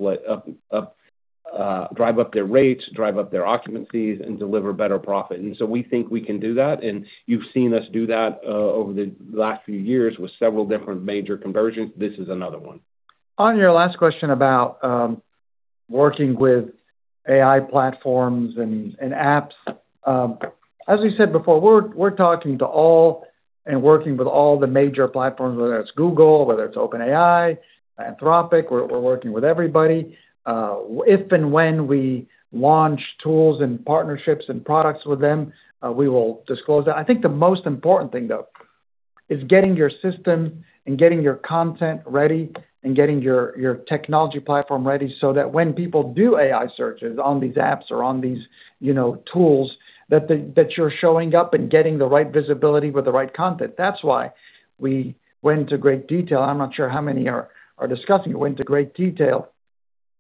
their rates, drive up their occupancies, and deliver better profit. We think we can do that, and you've seen us do that over the last few years with several different major conversions. This is another one. On your last question about working with AI platforms and apps. As we said before, we're talking to all and working with all the major platforms, whether it's Google, whether it's OpenAI, Anthropic. We're working with everybody. If and when we launch tools and partnerships and products with them, we will disclose that. I think the most important thing, though, is getting your system and getting your content ready and getting your technology platform ready so that when people do AI searches on these apps or on these, you know, tools, that you're showing up and getting the right visibility with the right content. That's why we went to great detail. I'm not sure how many are discussing it. Went to great detail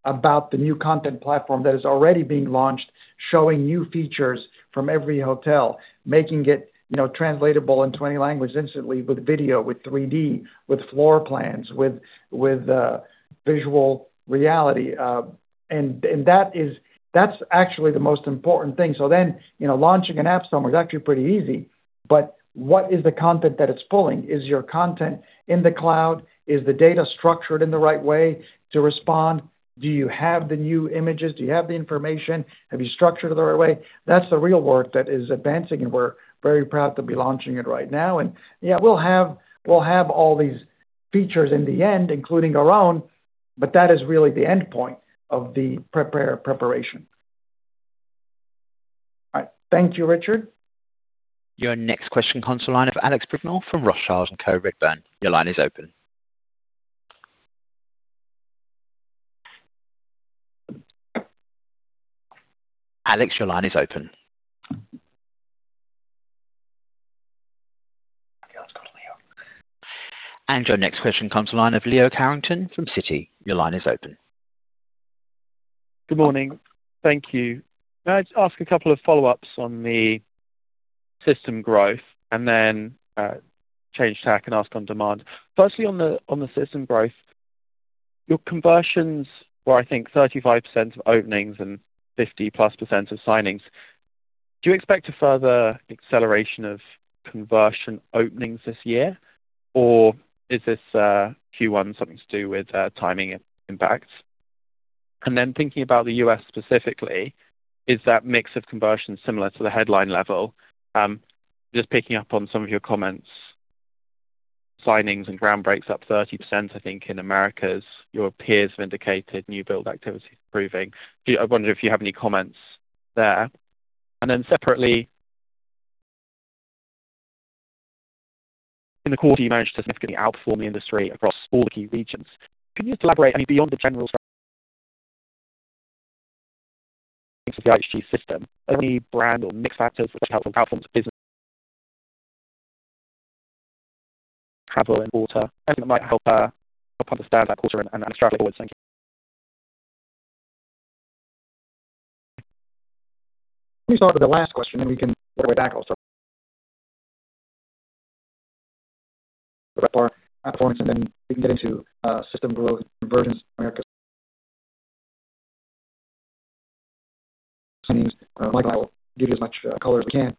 about the new content platform that is already being launched, showing new features from every hotel, making it, you know, translatable in 20 language instantly with video, with 3D, with floor plans, with virtual reality. That's actually the most important thing. You know, launching an app store is actually pretty easy. What is the content that it's pulling? Is your content in the cloud? Is the data structured in the right way to respond? Do you have the new images? Do you have the information? Have you structured it the right way? That's the real work that is advancing, and we're very proud to be launching it right now. Yeah, we'll have all these features in the end, including our own, but that is really the endpoint of the preparation. All right. Thank you, Richard. Your next question comes the line of Alex Brignall from Rothschild & Co Redburn. Your line is open. Alex, your line is open. Your next question comes to line of Leo Carrington from Citi. Good morning. Thank you. May I just ask a couple of follow-ups on the system growth and then change tack and ask on demand. Firstly, on the system growth, your conversions were, I think, 35% of openings and 50%+ of signings. Do you expect a further acceleration of conversion openings this year, or is this Q1 something to do with timing impact? Then thinking about the U.S. specifically, is that mix of conversions similar to the headline level? Just picking up on some of your comments, signings and ground breaks up 30%, I think, in Americas. Your peers have indicated new build activity is improving. I wonder if you have any comments there. Then separately. In the quarter, you managed to significantly outperform the industry across all the key regions. Can you elaborate any beyond the general strategy for the IHG system? Are there any brand or mix factors which helped outperform the business? Travel and wider, anything that might help understand that quarter and strategies going forward? Thank you. Let me start with the last question, we can work our way back also. RevPAR performance, then we can get into system growth and conversions in Americas. Mike and I will give you as much color as we can.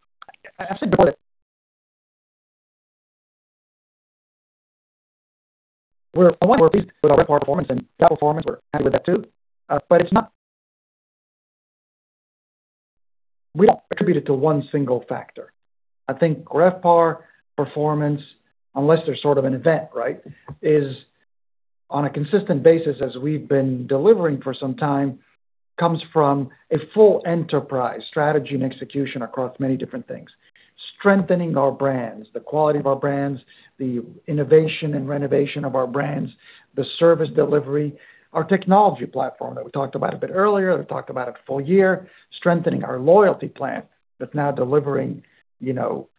I've said before that we're pleased with our RevPAR performance and TRevPAR performance. We're happy with that too. It's not We don't attribute it to one single factor. I think RevPAR performance, unless there's sort of an event, right, is on a consistent basis as we've been delivering for some time, comes from a full enterprise strategy and execution across many different things. Strengthening our brands, the quality of our brands, the innovation and renovation of our brands, the service delivery, our technology platform that we talked about a bit earlier, that we talked about it the full year, strengthening our loyalty plan that's now delivering, you know,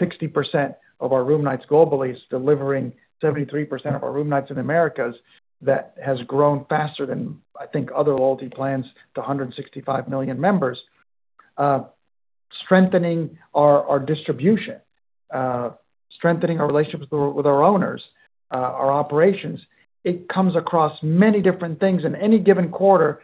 60% of our room nights globally, it's delivering 73% of our room nights in Americas that has grown faster than I think other loyalty plans to 165 million members. Strengthening our distribution, strengthening our relationships with our owners, our operations. It comes across many different things. In any given quarter,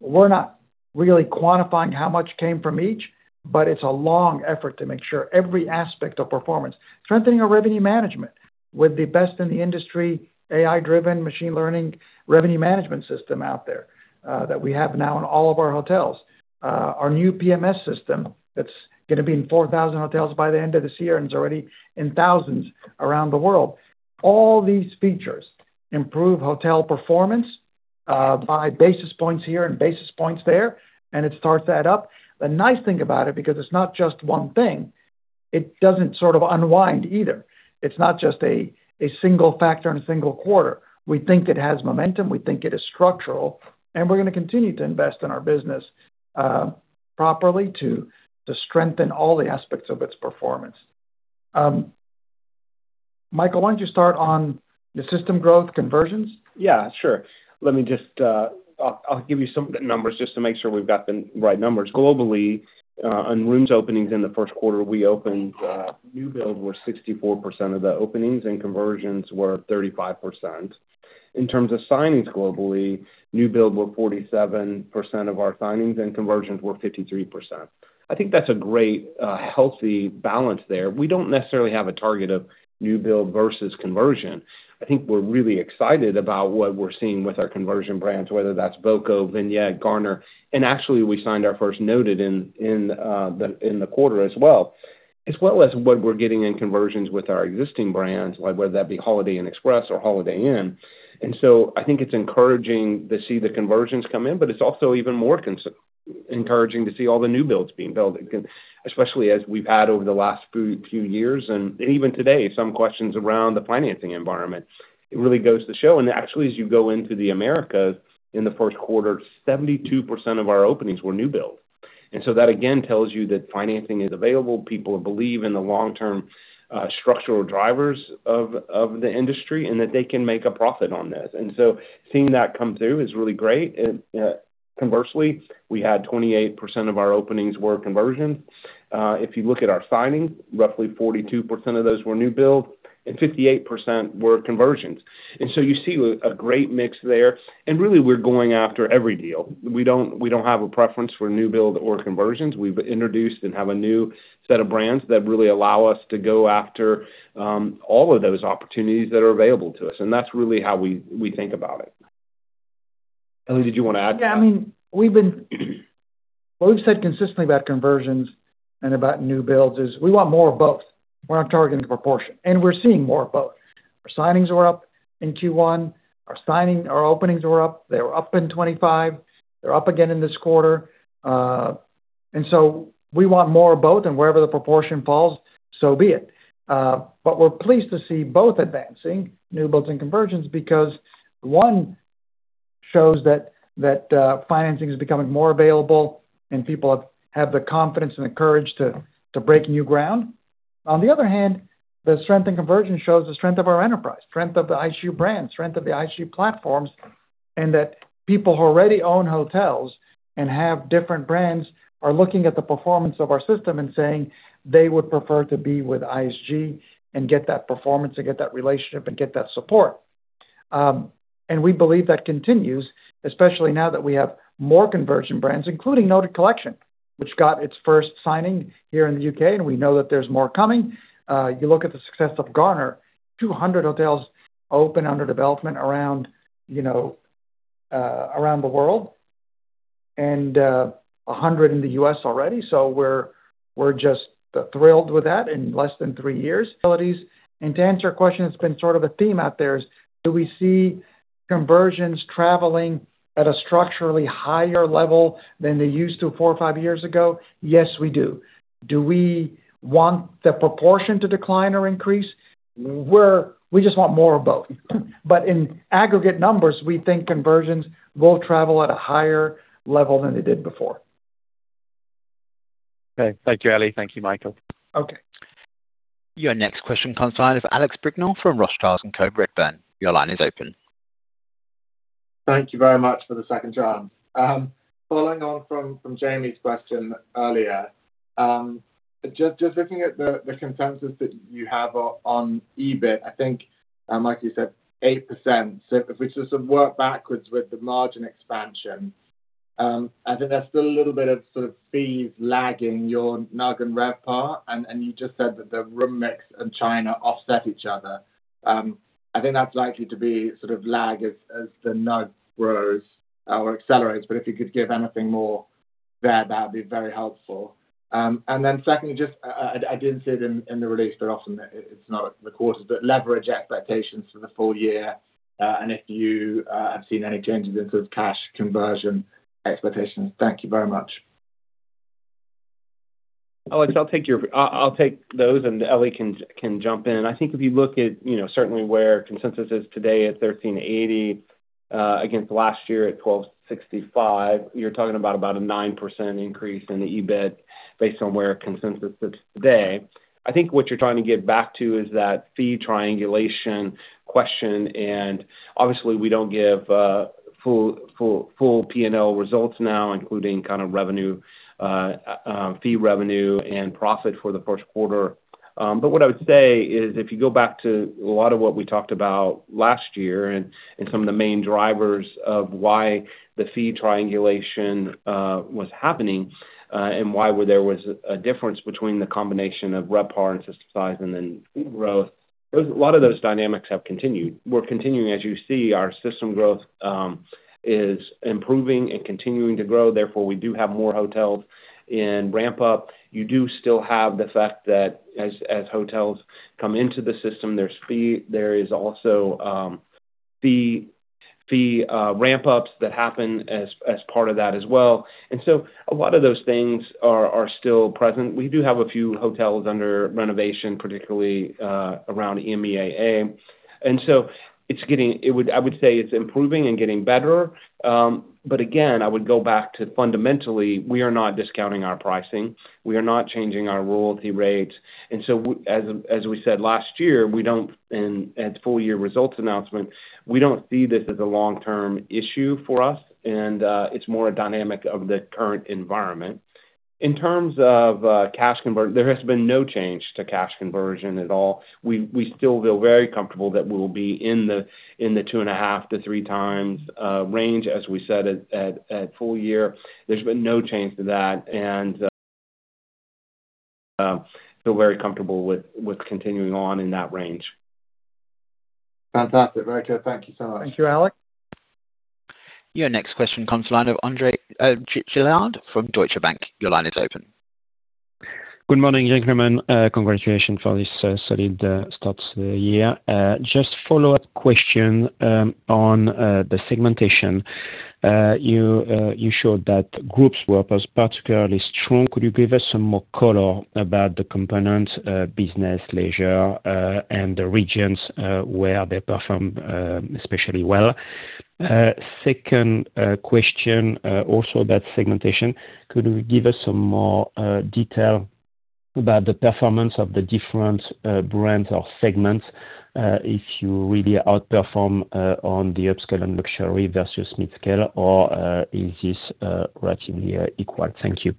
we're not really quantifying how much came from each, but it's a long effort to make sure every aspect of performance. Strengthening our revenue management with the best in the industry, AI-driven machine learning revenue management system out there, that we have now in all of our hotels. Our new PMS system that's gonna be in 4,000 hotels by the end of this year, and it's already in thousands around the world. All these features improve hotel performance, by basis points here and basis points there, and it starts to add up. The nice thing about it, because it's not just one thing, it doesn't sort of unwind either. It's not just a single factor in a single quarter. We think it has momentum, we think it is structural, and we're gonna continue to invest in our business, properly to strengthen all the aspects of its performance. Michael, why don't you start on the system growth conversions? Yeah, sure. Let me just, I'll give you some numbers just to make sure we've got the right numbers. Globally, on rooms openings in the first quarter, we opened, new build were 64% of the openings and conversions were 35%. In terms of signings globally, new build were 47% of our signings and conversions were 53%. I think that's a great, healthy balance there. We don't necessarily have a target of new build versus conversion. I think we're really excited about what we're seeing with our conversion brands, whether that's voco, Vignette, Garner. Actually, we signed our first Penta in the quarter as well. As well as what we're getting in conversions with our existing brands, like whether that be Holiday Inn Express or Holiday Inn. I think it's encouraging to see the conversions come in, but it's also even more encouraging to see all the new builds being built, especially as we've had over the last few years and even today, some questions around the financing environment. It really goes to show. As you go into the Americas in the first quarter, 72% of our openings were new builds. That again tells you that financing is available. People believe in the long-term structural drivers of the industry and that they can make a profit on this. Seeing that come through is really great. Conversely, we had 28% of our openings were conversions. If you look at our signings, roughly 42% of those were new builds and 58% were conversions. You see a great mix there. Really, we're going after every deal. We don't have a preference for new build or conversions. We've introduced and have a new set of brands that really allow us to go after all of those opportunities that are available to us, and that's really how we think about it. Elie, did you want to add to that? Yeah. I mean, what we've said consistently about conversions and about new builds is we want more of both. We're not targeting the proportion, and we're seeing more of both. Our signings were up in Q1. Our openings were up. They were up in 25%. They're up again in this quarter. So we want more of both, and wherever the proportion falls, so be it. We're pleased to see both advancing, new builds and conversions, because one shows that financing is becoming more available and people have the confidence and the courage to break new ground. On the other hand, the strength in conversion shows the strength of our enterprise, strength of the IHG brand, strength of the IHG platforms, and that people who already own hotels and have different brands are looking at the performance of our system and saying they would prefer to be with IHG and get that performance and get that relationship and get that support. We believe that continues, especially now that we have more conversion brands, including Vignette Collection, which got its first signing here in the U.K., and we know that there's more coming. You look at the success of Garner, 200 hotels open under development around, you know, around the world and 100 in the U.S. already. We're just thrilled with that in less than three years. To answer your question, it's been sort of a theme out there is, do we see conversions traveling at a structurally higher level than they used to four or five years ago? Yes, we do. Do we want the proportion to decline or increase? We just want more of both. In aggregate numbers, we think conversions will travel at a higher level than they did before. Okay. Thank you, Elie. Thank you, Michael. Okay. Your next question comes out of Alex Brignall from Rothschild & Co Redburn. Your line is open. Thank you very much for the second chance. Following on from Jamie's question earlier, just looking at the consensus that you have on EBIT, I think Mike, you said 8%. If we sort of work backwards with the margin expansion, I think there's still a little bit of sort of fees lagging your NUG and RevPAR, and you just said that the room mix and China offset each other. I think that's likely to be sort of lag as the NUG grows or accelerates, but if you could give anything more there, that'd be very helpful. Secondly, I didn't see it in the release, but often it is not recorded, but leverage expectations for the full year, and if you have seen any changes in sort of cash conversion expectations. Thank you very much. Alex, I'll take your, I'll take those, and Elie can jump in. I think if you look at, you know, certainly where consensus is today at $1,380, against last year at $1,265, you're talking about a 9% increase in the EBIT based on where consensus sits today. I think what you're trying to get back to is that fee triangulation question, and obviously we don't give full P&L results now, including kind of revenue, fee revenue and profit for the first quarter. What I would say is if you go back to a lot of what we talked about last year and some of the main drivers of why the fee triangulation was happening, and why were there was a difference between the combination of RevPAR and system size and then growth, a lot of those dynamics have continued. We're continuing, as you see, our system growth is improving and continuing to grow, therefore we do have more hotels in ramp up. You do still have the fact that as hotels come into the system, there's fee. There is also fee ramp-ups that happen as part of that as well. A lot of those things are still present. We do have a few hotels under renovation, particularly around EMEAA. It's getting. I would say it's improving and getting better. Again, I would go back to fundamentally, we are not discounting our pricing. We are not changing our royalty rates. As we said last year, at full year results announcement, we don't see this as a long-term issue for us. It's more a dynamic of the current environment. In terms of cash conversion, there has been no change to cash conversion at all. We still feel very comfortable that we'll be in the 2.5x-3x range, as we said at full year. There's been no change to that. Feel very comfortable with continuing on in that range. Fantastic. Very good. Thank you so much. Thank you, Alex. Your next question comes the line of André Juillard from Deutsche Bank. Your line is open. Good morning, gentlemen. Congratulations for this solid start to the year. Just follow-up question on the segmentation. You showed that groups were particularly strong. Could you give us some more color about the components, business, leisure, and the regions where they perform especially well? Second question also about segmentation. Could you give us some more detail about the performance of the different brands or segments, if you really outperform on the upscale and luxury versus mid-scale, or is this relatively equal? Thank you.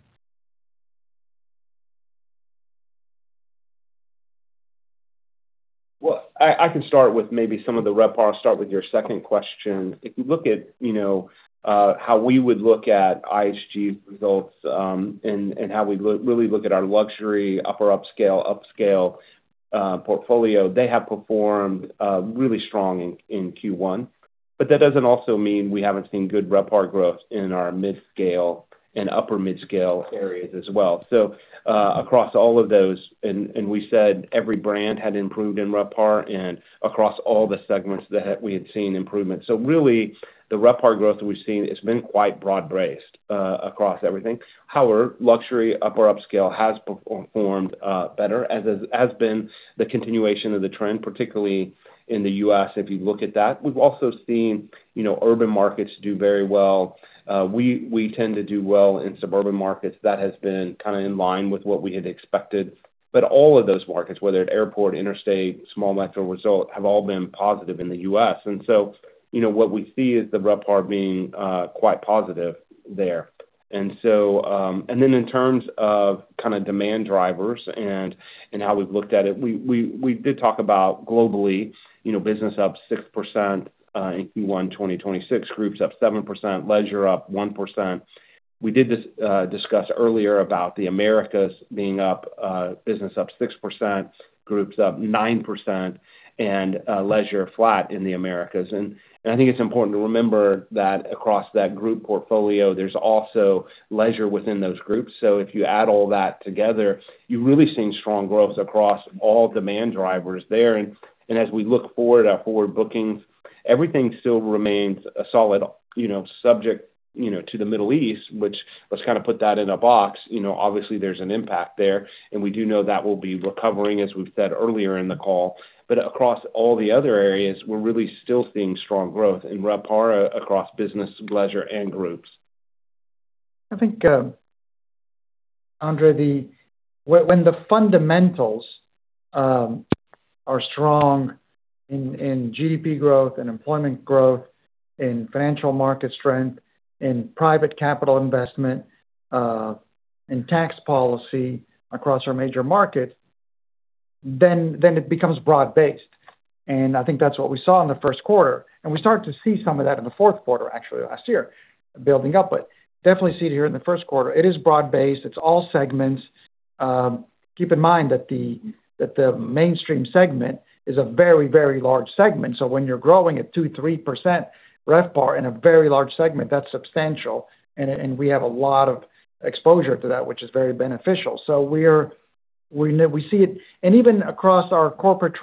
I can start with maybe some of the RevPAR with your second question. If you look at, you know, how we would look at IHG results, and how we really look at our luxury, upper upscale portfolio, they have performed really strong in Q1. That doesn't also mean we haven't seen good RevPAR growth in our mid-scale and upper mid-scale areas as well. Across all of those, and we said every brand had improved in RevPAR and across all the segments that we had seen improvement. Really, the RevPAR growth that we've seen, it's been quite broad-based across everything. However, luxury upper upscale has performed better as has been the continuation of the trend, particularly in the U.S., if you look at that. We've also seen, you know, urban markets do very well. We tend to do well in suburban markets. That has been kind of in line with what we had expected. All of those markets, whether at airport, interstate, small metro result, have all been positive in the U.S. You know, what we see is the RevPAR being quite positive there. In terms of kind of demand drivers and how we've looked at it, we did talk about globally, you know, business up 6% in Q1 2026, groups up 7%, leisure up 1%. We did discuss earlier about the Americas being up, business up 6%, groups up 9%, and leisure flat in the Americas. I think it's important to remember that across that group portfolio, there's also leisure within those groups. If you add all that together, you're really seeing strong growth across all demand drivers there. As we look forward at forward bookings, everything still remains a solid, you know, subject, you know, to the Middle East, which let's kind of put that in a box. Obviously there's an impact there, and we do know that will be recovering as we've said earlier in the call. Across all the other areas, we're really still seeing strong growth in RevPAR across business, leisure, and groups. When the fundamentals are strong in GDP growth and employment growth, in financial market strength, in private capital investment, in tax policy across our major markets, then it becomes broad-based. I think that's what we saw in the first quarter. We start to see some of that in the fourth quarter, actually last year, building up. Definitely see it here in the first quarter. It is broad-based. It's all segments. Keep in mind that the mainstream segment is a very, very large segment. When you're growing at 2%-3% RevPAR in a very large segment, that's substantial. We have a lot of exposure to that, which is very beneficial. We see it. Even across our corporate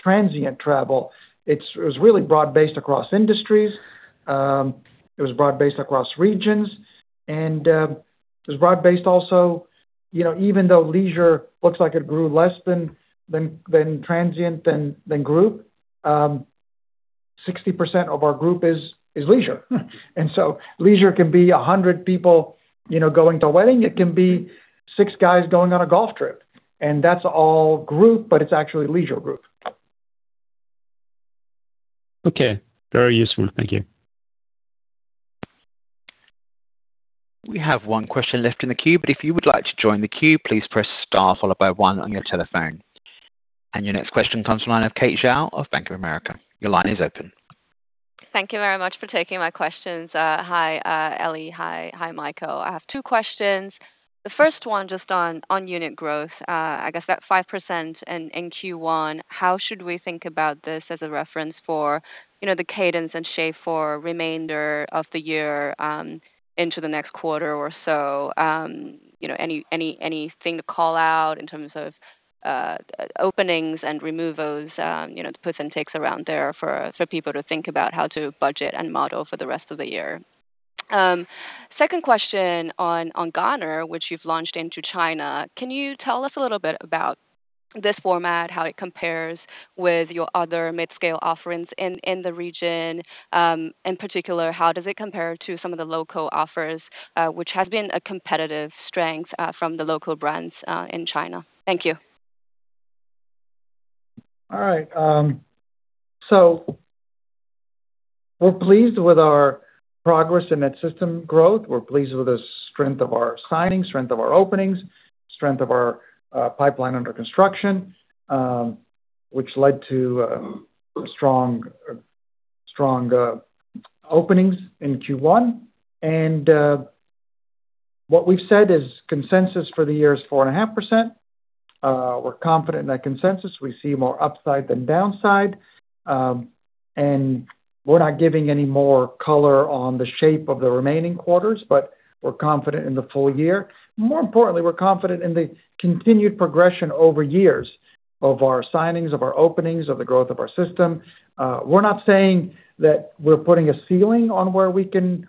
transient travel, it was really broad-based across industries. It was broad-based across regions, it was broad-based also, you know, even though leisure looks like it grew less than transient than group, 60% of our group is leisure. Leisure can be 100 people, you know, going to a wedding. It can be six guys going on a golf trip. That's all group, but it's actually leisure group. Okay, very useful. Thank you. We have one question left in the queue, but if you would like to join the queue, please press star followed by one on your telephone. And your next question comes from the line of Kate Xiao of Bank of America. Your line is open. Thank you very much for taking my questions. Hi, Elie. Hi, Michael. I have two questions. The first one just on unit growth. I guess that 5% in Q1, how should we think about this as a reference for, you know, the cadence and shape for remainder of the year, into the next quarter or so? You know, anything to call out in terms of openings and removals, you know, the puts and takes around there for people to think about how to budget and model for the rest of the year. Second question on Garner, which you've launched into China. Can you tell us a little bit about this format, how it compares with your other mid-scale offerings in the region? In particular, how does it compare to some of the local offers, which have been a competitive strength, from the local brands, in China? Thank you. All right. We're pleased with our progress in net system growth. We're pleased with the strength of our signing, strength of our openings, strength of our pipeline under construction, which led to strong openings in Q1. What we've said is consensus for the year is 4.5%. We're confident in that consensus. We see more upside than downside. We're not giving any more color on the shape of the remaining quarters, but we're confident in the full year. More importantly, we're confident in the continued progression over years of our signings, of our openings, of the growth of our system. We're not saying that we're putting a ceiling on what we can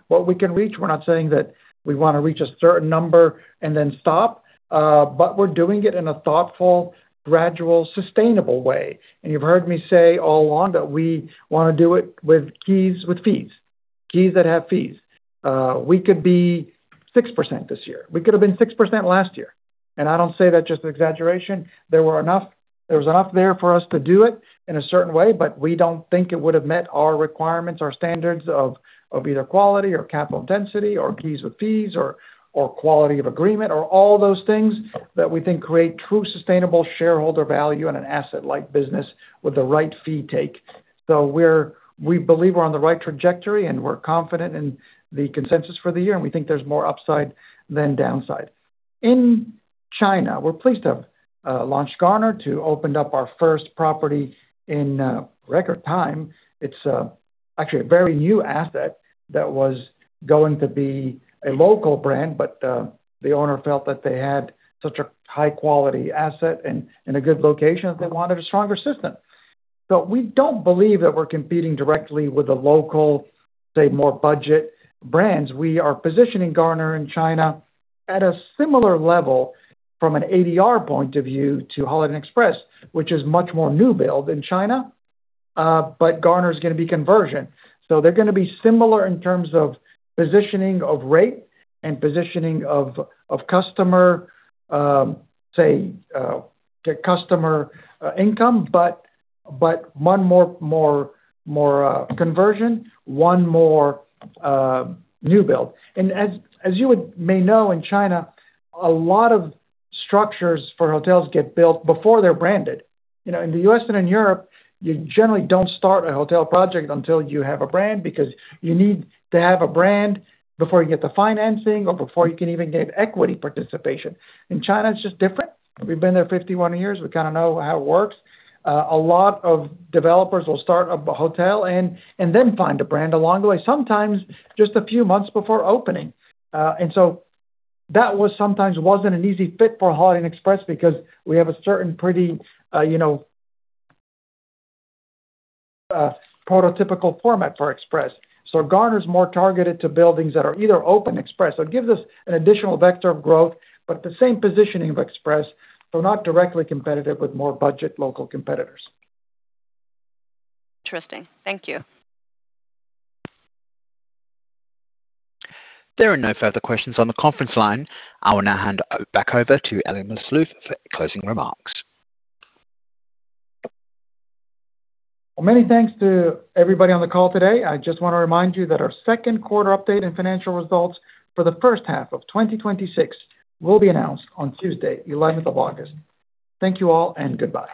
reach. We're not saying that we want to reach a certain number and then stop. We're doing it in a thoughtful, gradual, sustainable way. You've heard me say all along that we wanna do it with keys with fees, keys that have fees. We could be 6% this year. We could have been 6% last year. I don't say that just exaggeration. There was enough there for us to do it in a certain way, we don't think it would have met our requirements or standards of either quality or capital intensity or keys with fees or quality of agreement or all those things that we think create true sustainable shareholder value in an asset like business with the right fee take. We believe we're on the right trajectory, we're confident in the consensus for the year, we think there's more upside than downside. In China, we're pleased to have launched Garner to opened up our first property in record time. It's actually a very new asset that was going to be a local brand, but the owner felt that they had such a high quality asset and in a good location that they wanted a stronger system. We don't believe that we're competing directly with the local, say, more budget brands. We are positioning Garner in China at a similar level from an ADR point of view to Holiday Inn Express, which is much more new build in China. Garner is gonna be conversion. They're gonna be similar in terms of positioning of rate and positioning of customer, say, customer income, but one more conversion, one more new build. As you would may know, in China, a lot of structures for hotels get built before they're branded. You know, in the U.S. and in Europe, you generally don't start a hotel project until you have a brand because you need to have a brand before you get the financing or before you can even get equity participation. In China, it's just different. We've been there 51 years. We kinda know how it works. A lot of developers will start up a hotel and then find a brand along the way, sometimes just a few months before opening. That was sometimes wasn't an easy fit for Holiday Inn Express because we have a certain pretty, you know, prototypical format for Express. Garner is more targeted to buildings that are either open Express. It gives us an additional vector of growth, but the same positioning of Express, though not directly competitive with more budget local competitors. Interesting. Thank you. There are no further questions on the conference line. I will now hand back over to Elie Maalouf for closing remarks. Well, many thanks to everybody on the call today. I just wanna remind you that our second quarter update and financial results for the first half of 2026 will be announced on Tuesday, 11th of August. Thank you all and goodbye.